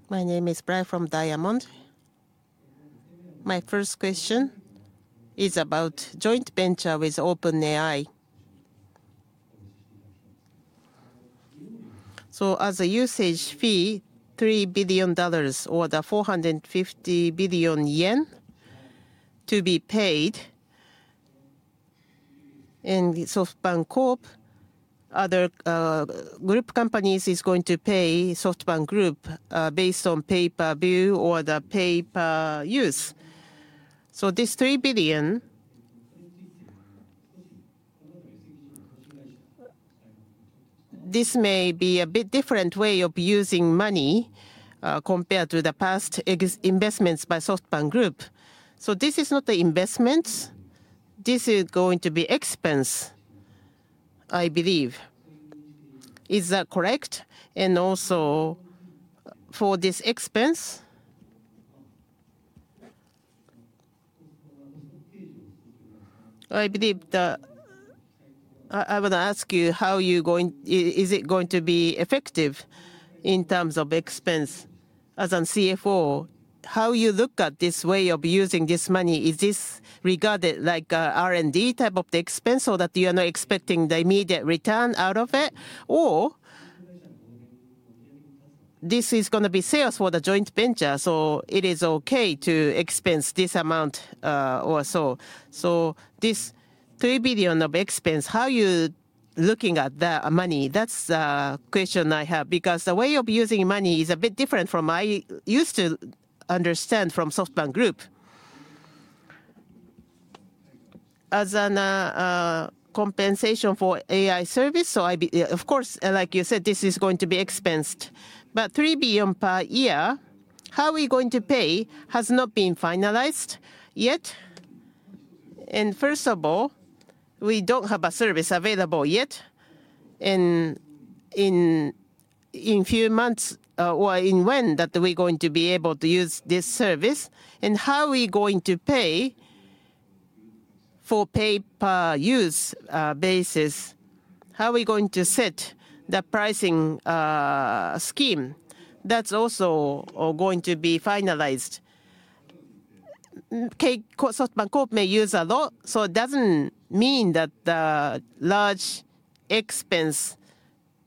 My name is Bright from Diamond. My first question is about joint venture with OpenAI. So as a usage fee, $3 billion or the 450 billion yen to be paid, and SoftBank Corp, other group companies are going to pay SoftBank Group based on pay-per-view or the pay-per-use. So this $3 billion, this may be a bit different way of using money compared to the past investments by SoftBank Group. So this is not an investment. This is going to be expense, I believe. Is that correct? Also for this expense, I believe that I want to ask you how you're going to? Is it going to be effective in terms of expense? As a CFO, how do you look at this way of using this money? Is this regarded like an R&D type of expense or that you are not expecting the immediate return out of it? Or this is going to be sales for the joint venture, so it is okay to expense this amount or so. So this $3 billion of expense, how are you looking at that money? That's the question I have because the way of using money is a bit different from I used to understand from SoftBank Group. As a compensation for AI service, so of course, like you said, this is going to be expensed. $3 billion per year, how are we going to pay has not been finalized yet. First of all, we don't have a service available yet. In a few months or when that we're going to be able to use this service? How are we going to pay for pay-per-use basis? How are we going to set the pricing scheme? That's also going to be finalized. SoftBank Corp may use a lot, so it doesn't mean that the large expense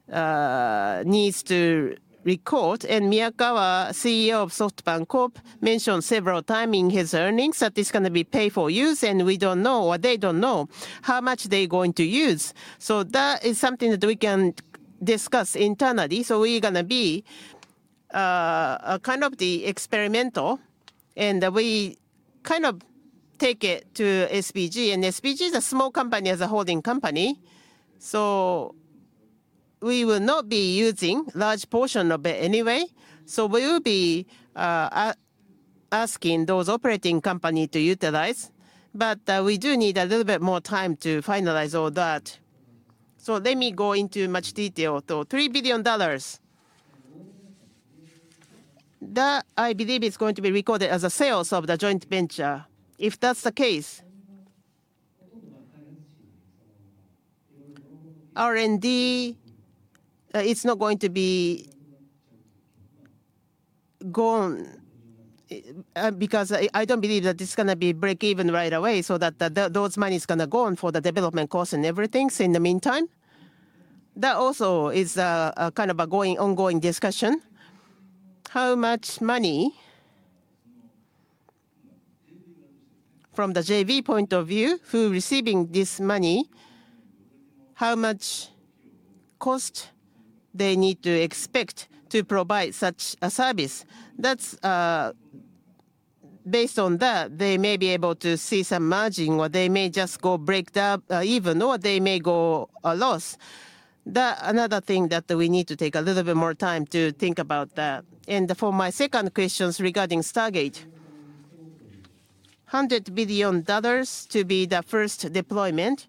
needs to record. Miyakawa, CEO of SoftBank Corp, mentioned several times in his earnings that it's going to be pay-for-use, and we don't know, or they don't know, how much they're going to use. That is something that we can discuss internally. We're going to be kind of the experimental, and we kind of take it to SBG. SBG is a small company as a holding company. We will not be using a large portion of it anyway. We will be asking those operating companies to utilize. But we do need a little bit more time to finalize all that. Let me go into much detail. $3 billion, that I believe is going to be recorded as a sales of the joint venture. If that's the case, R&D, it's not going to be gone because I don't believe that it's going to be break-even right away, so that those money is going to go on for the development cost and everything in the meantime. That also is a kind of an ongoing discussion. How much money from the JV point of view, who is receiving this money, how much cost they need to expect to provide such a service? That's based on that, they may be able to see some margin, or they may just go break down, or they may go loss. That's another thing that we need to take a little bit more time to think about that. For my second question regarding Stargate, $100 billion to be the first deployment.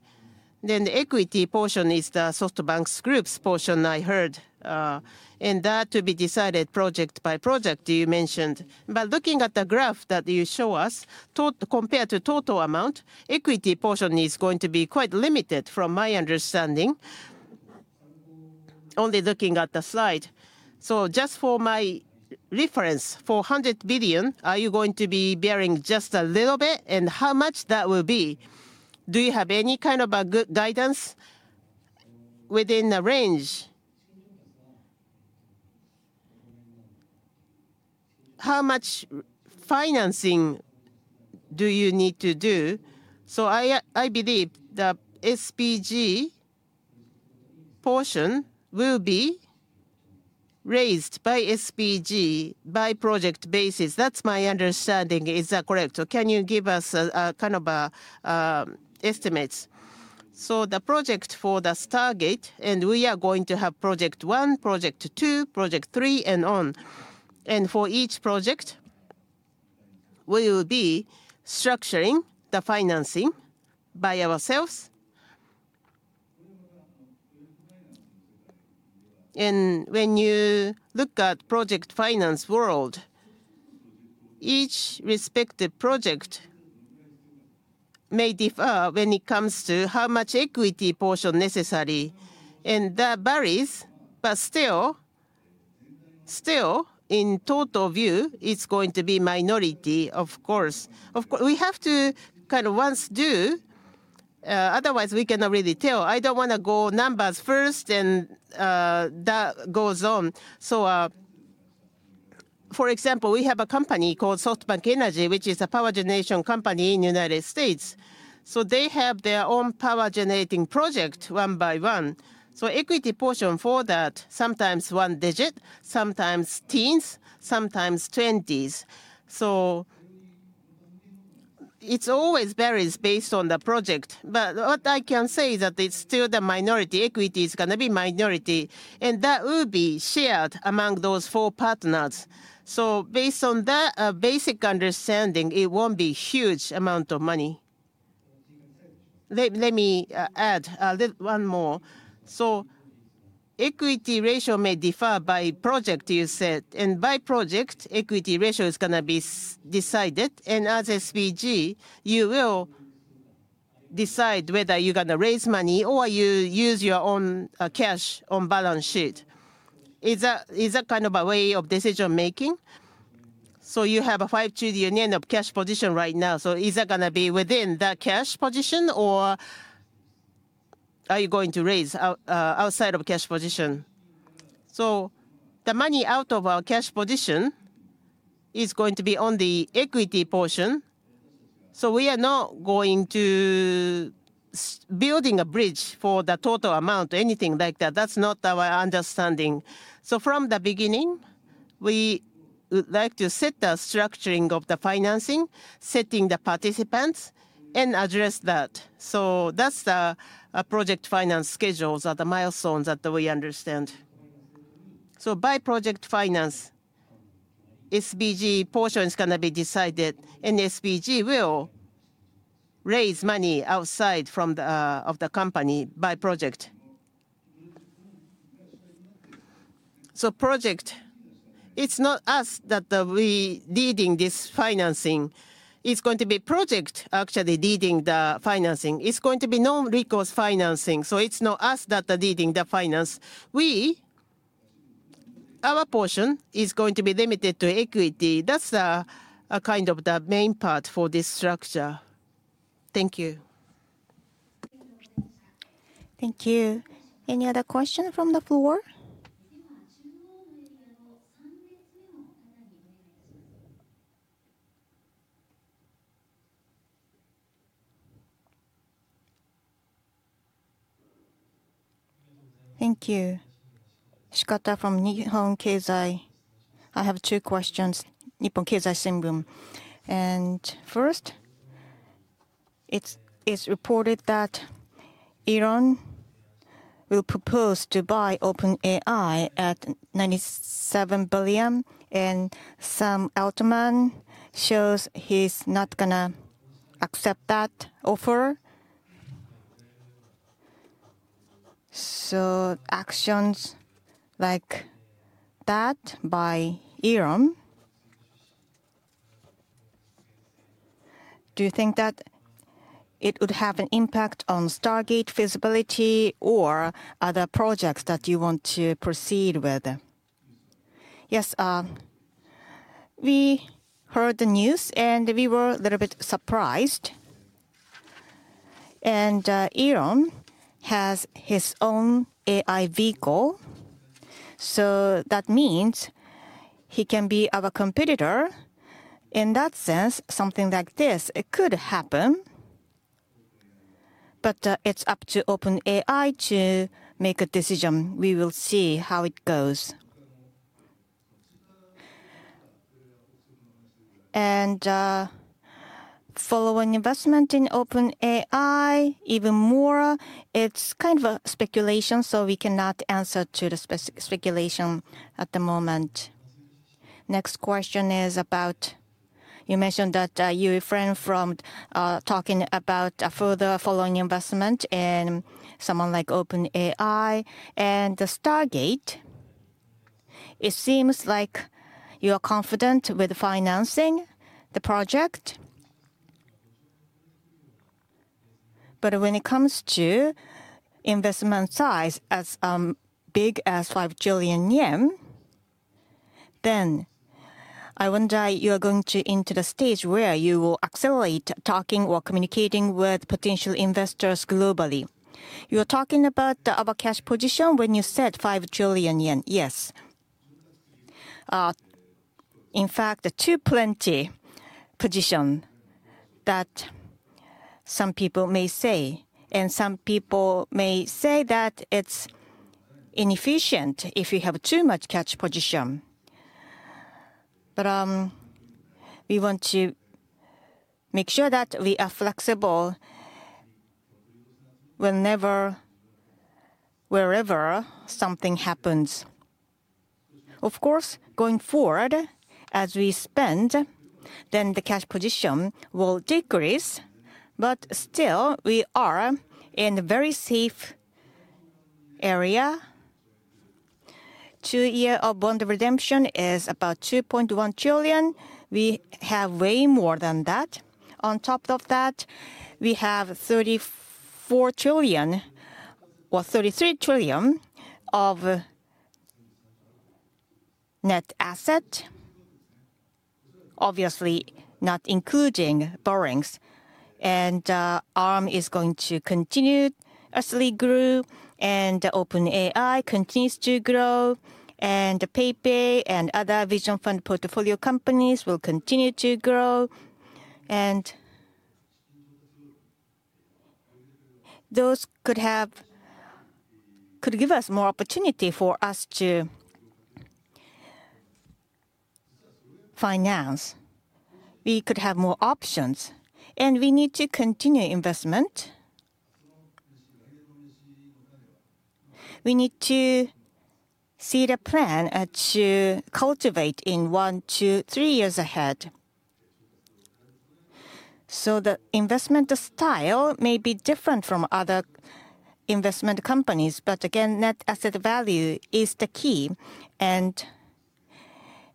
Then the equity portion is the SoftBank Group's portion I heard. And that to be decided project by project, you mentioned. But looking at the graph that you show us, compared to total amount, equity portion is going to be quite limited from my understanding, only looking at the slide. So just for my reference, for $100 billion, are you going to be bearing just a little bit? And how much that will be? Do you have any kind of a good guidance within the range? How much financing do you need to do? I believe the SVF portion will be raised by SVF on a project basis. That's my understanding. Is that correct? Can you give us a kind of estimates? The project for the Stargate, and we are going to have project one, project two, project three, and on. For each project, we will be structuring the financing by ourselves. When you look at project finance world, each respective project may differ when it comes to how much equity portion is necessary. That varies, but still in total view, it's going to be minority, of course. We have to kind of once do, otherwise we cannot really tell. I don't want to go numbers first, and that goes on. For example, we have a company called SoftBank Energy, which is a power generation company in the United States. So they have their own power generating project one by one. So equity portion for that, sometimes one digit, sometimes teens, sometimes twenties. So it always varies based on the project. But what I can say is that it's still the minority. Equity is going to be minority. And that will be shared among those four partners. So based on that basic understanding, it won't be a huge amount of money. Let me add one more. So equity ratio may differ by project, you said. And by project, equity ratio is going to be decided. And as SVF, you will decide whether you're going to raise money or you use your own cash on balance sheet. Is that kind of a way of decision-making? So you have a significant amount of cash position right now. So is that going to be within that cash position, or are you going to raise outside of cash position? So the money out of our cash position is going to be on the equity portion. So we are not going to be building a bridge for the total amount or anything like that. That's not our understanding. So from the beginning, we would like to set the structuring of the financing, setting the participants, and address that. So that's the project finance schedules or the milestones that we understand. So by project finance, SVF portion is going to be decided, and SVF will raise money outside of the company by project. So project, it's not us that we are leading this financing. It's going to be project actually leading the financing. It's going to be non-recourse financing. So it's not us that are leading the finance. Our portion is going to be limited to equity. That's kind of the main part for this structure. Thank you. Thank you. Any other questions from the floor? Thank you. Shikata from Nihon Keizai. I have two questions. Nihon Keizai Shimbun. And first, it's reported that Elon will propose to buy OpenAI at $97 billion, and Sam Altman shows he's not going to accept that offer. So actions like that by Elon, do you think that it would have an impact on Stargate feasibility or other projects that you want to proceed with? Yes, we heard the news, and we were a little bit surprised. And Elon has his own AI vehicle. So that means he can be our competitor. In that sense, something like this could happen. But it's up to OpenAI to make a decision. We will see how it goes. Following investment in OpenAI, even more, it's kind of speculation, so we cannot answer to the speculation at the moment. Next question is about you mentioned that you were friends from talking about further following investment in someone like OpenAI and Stargate. It seems like you are confident with financing the project. But when it comes to investment size as big as 5 trillion yen, then I wonder you are going to enter the stage where you will accelerate talking or communicating with potential investors globally. You were talking about our cash position when you said 5 trillion yen. Yes. In fact, too plenty position that some people may say, and some people may say that it's inefficient if you have too much cash position, but we want to make sure that we are flexible whenever, wherever something happens. Of course, going forward, as we spend, then the cash position will decrease. But still, we are in a very safe area. Two-year bond redemption is about 2.1 trillion. We have way more than that. On top of that, we have 34 trillion or 33 trillion of net asset, obviously not including borrowings. And ARM is going to continuously grow, and OpenAI continues to grow, and PayPay and other vision fund portfolio companies will continue to grow. And those could give us more opportunity for us to finance. We could have more options. And we need to continue investment. We need to see the plan to cultivate in one, two, three years ahead. So the investment style may be different from other investment companies, but again, net asset value is the key. And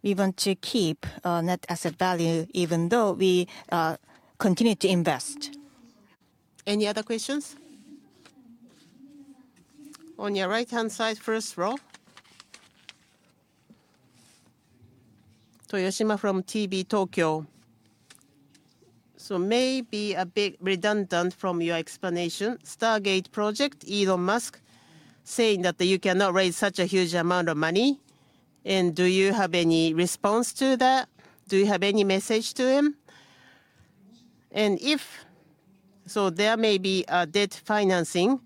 we want to keep net asset value even though we continue to invest. Any other questions? On your right-hand side, first row. Toyoshima from TV Tokyo. So maybe a bit redundant from your explanation. Stargate project, Elon Musk saying that you cannot raise such a huge amount of money. And do you have any response to that? Do you have any message to him? And if so, there may be a debt financing,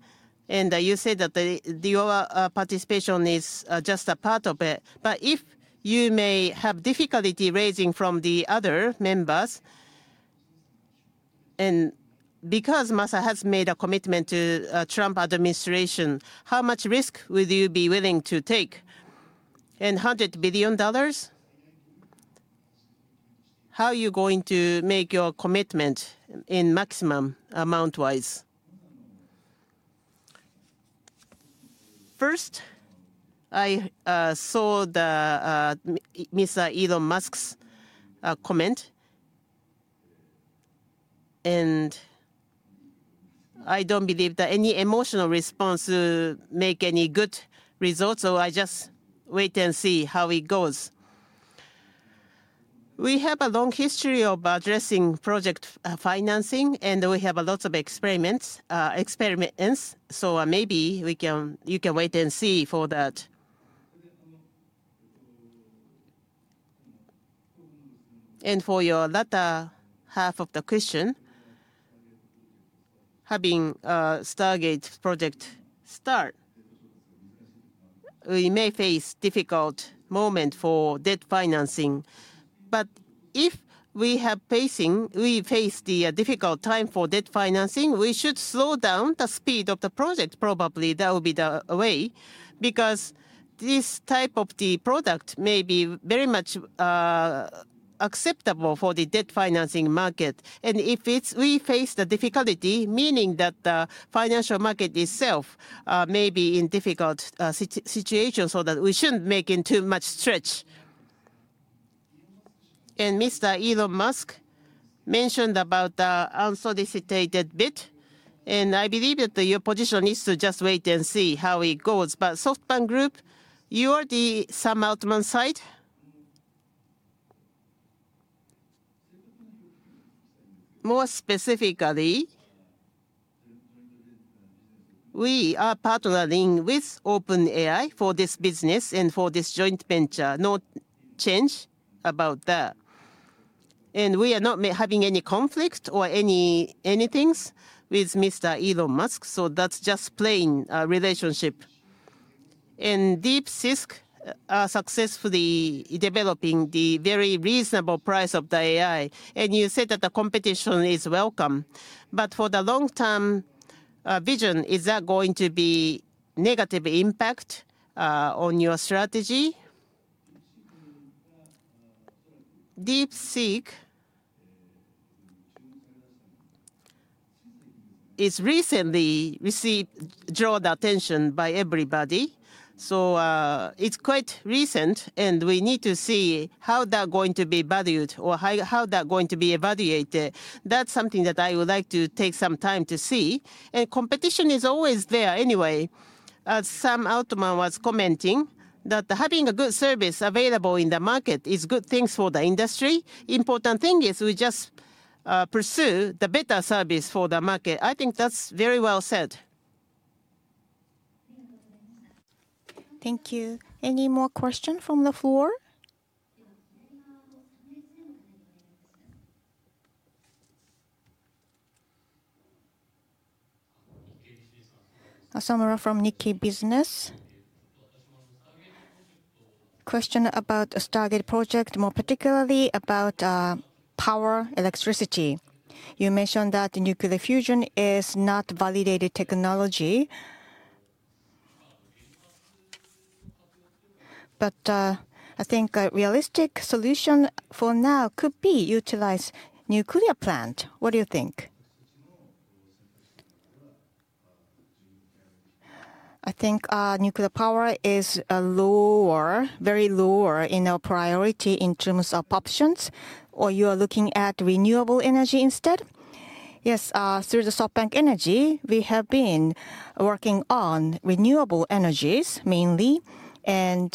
and you say that your participation is just a part of it. But if you may have difficulty raising from the other members, and because Musk has made a commitment to the Trump administration, how much risk would you be willing to take? And $100 billion, how are you going to make your commitment in maximum amount-wise? First, I saw Mr. Elon Musk's comment. And I don't believe that any emotional response will make any good results, so I just wait and see how it goes. We have a long history of addressing project financing, and we have a lot of experiments. So maybe you can wait and see for that. And for your latter half of the question, having Stargate project start, we may face a difficult moment for debt financing. But if we have faced the difficult time for debt financing, we should slow down the speed of the project. Probably that will be the way because this type of product may be very much acceptable for the debt financing market. And if we face the difficulty, meaning that the financial market itself may be in a difficult situation, so that we shouldn't make it too much stretch. And Mr. Elon Musk mentioned about the unsolicited bid. And I believe that your position is to just wait and see how it goes. But SoftBank Group, you are the Sam Altman side. More specifically, we are partnering with OpenAI for this business and for this joint venture. No change about that. And we are not having any conflict or anything with Mr. Elon Musk. So that's just plain relationship. And DeepSeek are successfully developing the very reasonable price of the AI. And you said that the competition is welcome. But for the long-term vision, is that going to be a negative impact on your strategy? DeepSeek is recently drawn attention by everybody. So it's quite recent, and we need to see how they're going to be valued or how they're going to be evaluated. That's something that I would like to take some time to see. And competition is always there anyway. As Sam Altman was commenting, that having a good service available in the market is good things for the industry. The important thing is we just pursue the better service for the market. I think that's very well said. Thank you. Any more questions from the floor? Asamura from Nikkei Business. Question about the Stargate project, more particularly about power electricity. You mentioned that nuclear fusion is not a validated technology. But I think a realistic solution for now could be to utilize a nuclear plant. What do you think? I think nuclear power is a lower, very lower priority in terms of options. Or you are looking at renewable energy instead? Yes. Through the SoftBank Energy, we have been working on renewable energies mainly. And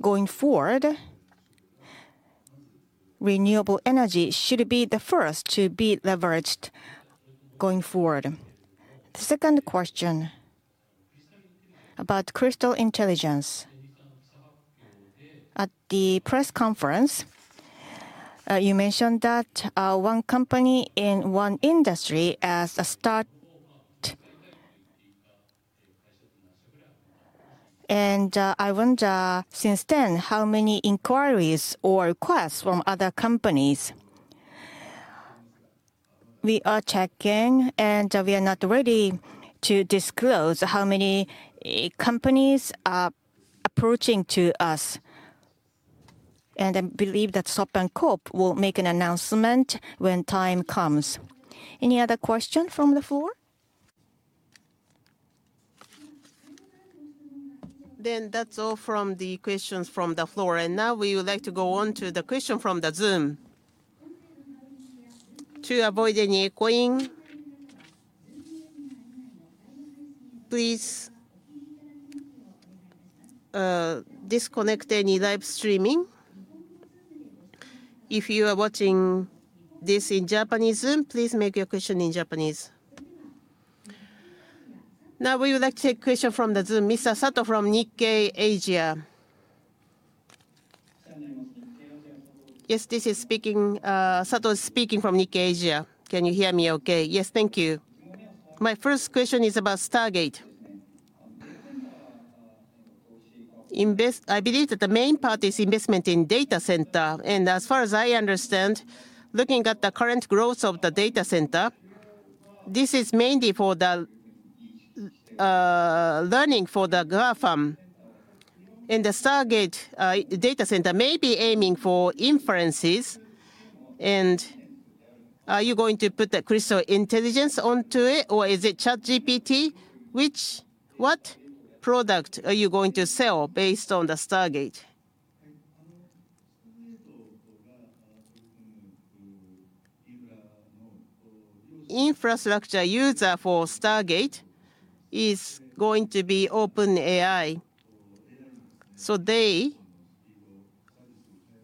going forward, renewable energy should be the first to be leveraged going forward. The second question about Crystal Intelligence. At the press conference, you mentioned that one company in one industry as a start. I wonder since then, how many inquiries or requests from other companies? We are checking, and we are not ready to disclose how many companies are approaching to us. I believe that SoftBank Corp will make an announcement when the time comes. Any other questions from the floor? Then that's all from the questions from the floor. Now we would like to go on to the question from the Zoom. To avoid any echoing, please disconnect any live streaming. If you are watching this in Japanese Zoom, please make your question in Japanese. Now we would like to take a question from the Zoom. Mr. Sato from Nikkei Asia. Yes, this is Sato speaking from Nikkei Asia. Can you hear me okay? Yes, thank you. My first question is about Stargate. I believe that the main part is investment in data center. As far as I understand, looking at the current growth of the data center, this is mainly for the learning for the GAFAM. The Stargate data center may be aiming for inferences. Are you going to put the Crystal Intelligence onto it, or is it ChatGPT? Which product are you going to sell based on the Stargate? Infrastructure user for Stargate is going to be OpenAI. So they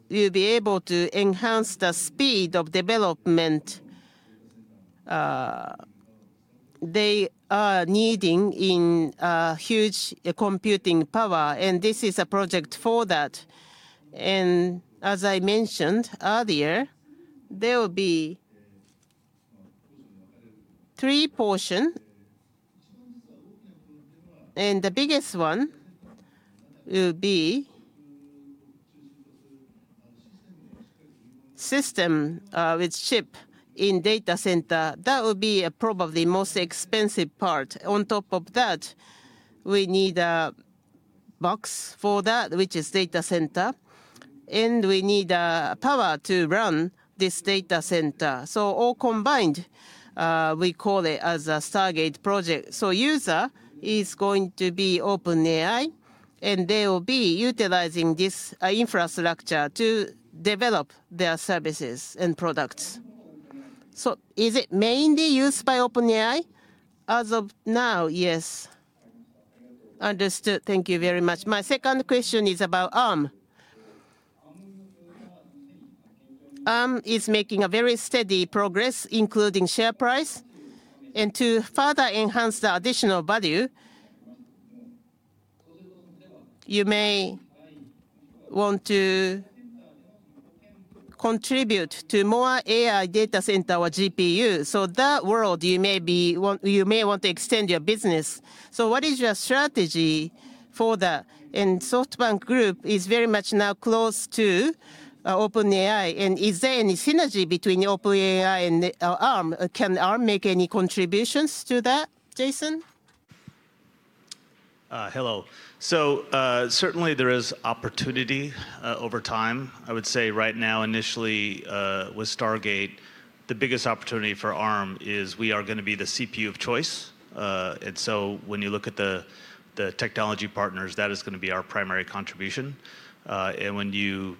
will be able to enhance the speed of development they are needing in huge computing power. This is a project for that. As I mentioned earlier, there will be three portions. The biggest one will be system with chip in data center. That will be probably the most expensive part. On top of that, we need a box for that, which is data center. We need power to run this data center. All combined, we call it as a Stargate project. So the user is going to be OpenAI, and they will be utilizing this infrastructure to develop their services and products. So is it mainly used by OpenAI? As of now, yes. Understood. Thank you very much. My second question is about Arm. Arm is making very steady progress, including share price. And to further enhance the additional value, you may want to contribute to more AI data center or GPU. So in that world, you may want to extend your business. So what is your strategy for that? And SoftBank Group is very much now close to OpenAI. And is there any synergy between OpenAI and Arm? Can Arm make any contributions to that, Jason? Hello. So certainly there is opportunity over time. I would say right now, initially with Stargate, the biggest opportunity for Arm is we are going to be the CPU of choice. And so when you look at the technology partners, that is going to be our primary contribution. And when you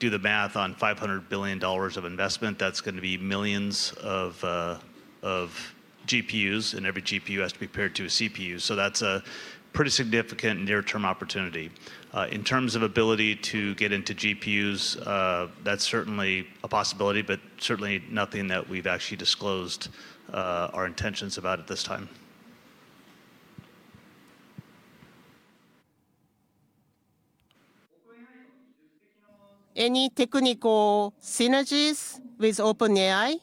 do the math on $500 billion of investment, that's going to be millions of GPUs, and every GPU has to be paired to a CPU. So that's a pretty significant near-term opportunity. In terms of ability to get into GPUs, that's certainly a possibility, but certainly nothing that we've actually disclosed our intentions about at this time. Any technical synergies with OpenAI?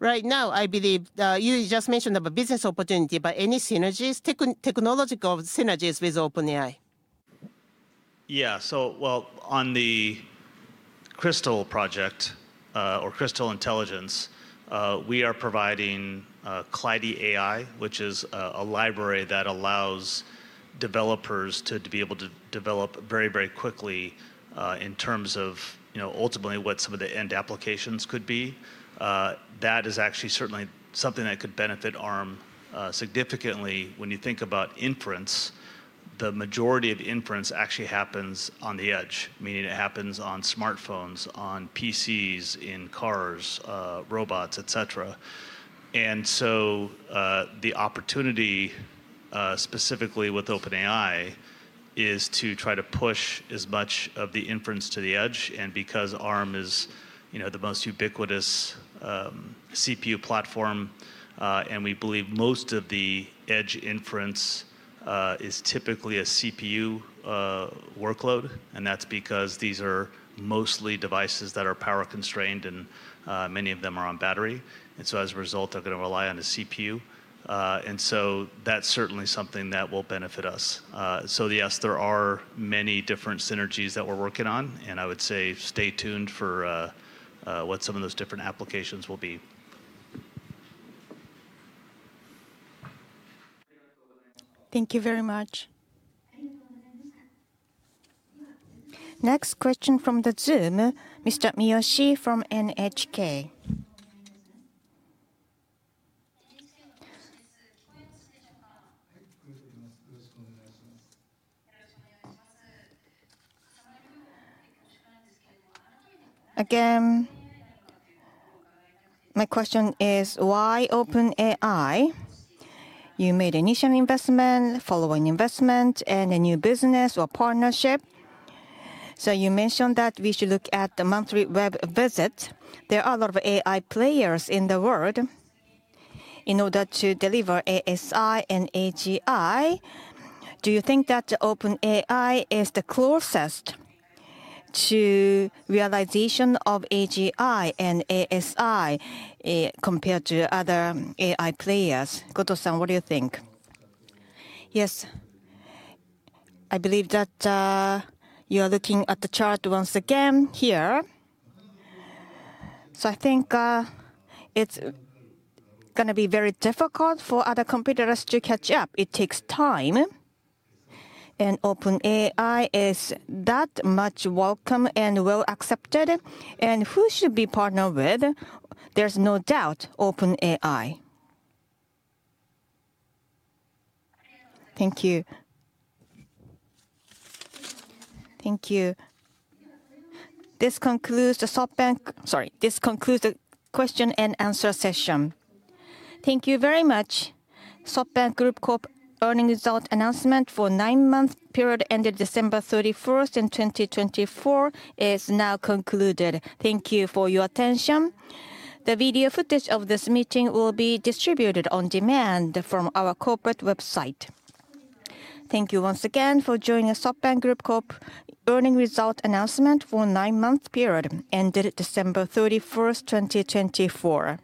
Right now, I believe you just mentioned a business opportunity, but any synergies, technological synergies with OpenAI? Yeah. On the Crystal project or Crystal Intelligence, we are providing Kleidi AI, which is a library that allows developers to be able to develop very, very quickly in terms of ultimately what some of the end applications could be. That is actually certainly something that could benefit Arm significantly. When you think about inference, the majority of inference actually happens on the edge, meaning it happens on smartphones, on PCs, in cars, robots, etc. And so the opportunity specifically with OpenAI is to try to push as much of the inference to the edge. And because Arm is the most ubiquitous CPU platform, and we believe most of the edge inference is typically a CPU workload, and that's because these are mostly devices that are power constrained, and many of them are on battery. And so as a result, they are going to rely on a CPU. So that's certainly something that will benefit us. So yes, there are many different synergies that we're working on. And I would say stay tuned for what some of those different applications will be. Thank you very much. Next question from the Zoom, Mr. Miyoshi from NHK. Again, my question is, why OpenAI? You made initial investment, following investment, and a new business or partnership. So you mentioned that we should look at the monthly web visit. There are a lot of AI players in the world. In order to deliver ASI and AGI, do you think that OpenAI is the closest to realization of AGI and ASI compared to other AI players? Goto-san, what do you think? Yes. I believe that you are looking at the chart once again here. So I think it's going to be very difficult for other competitors to catch up. It takes time. OpenAI is that much welcome and well accepted. Who should we partner with? There's no doubt, OpenAI. Thank you. Thank you. This concludes the SoftBank, sorry, this concludes the question and answer session. Thank you very much. SoftBank Group Corp earnings result announcement for the nine-month period ended December 31st in 2024 is now concluded. Thank you for your attention. The video footage of this meeting will be distributed on demand from our corporate website. Thank you once again for joining the SoftBank Group Corp earnings result announcement for the nine-month period ended December 31st, 2024.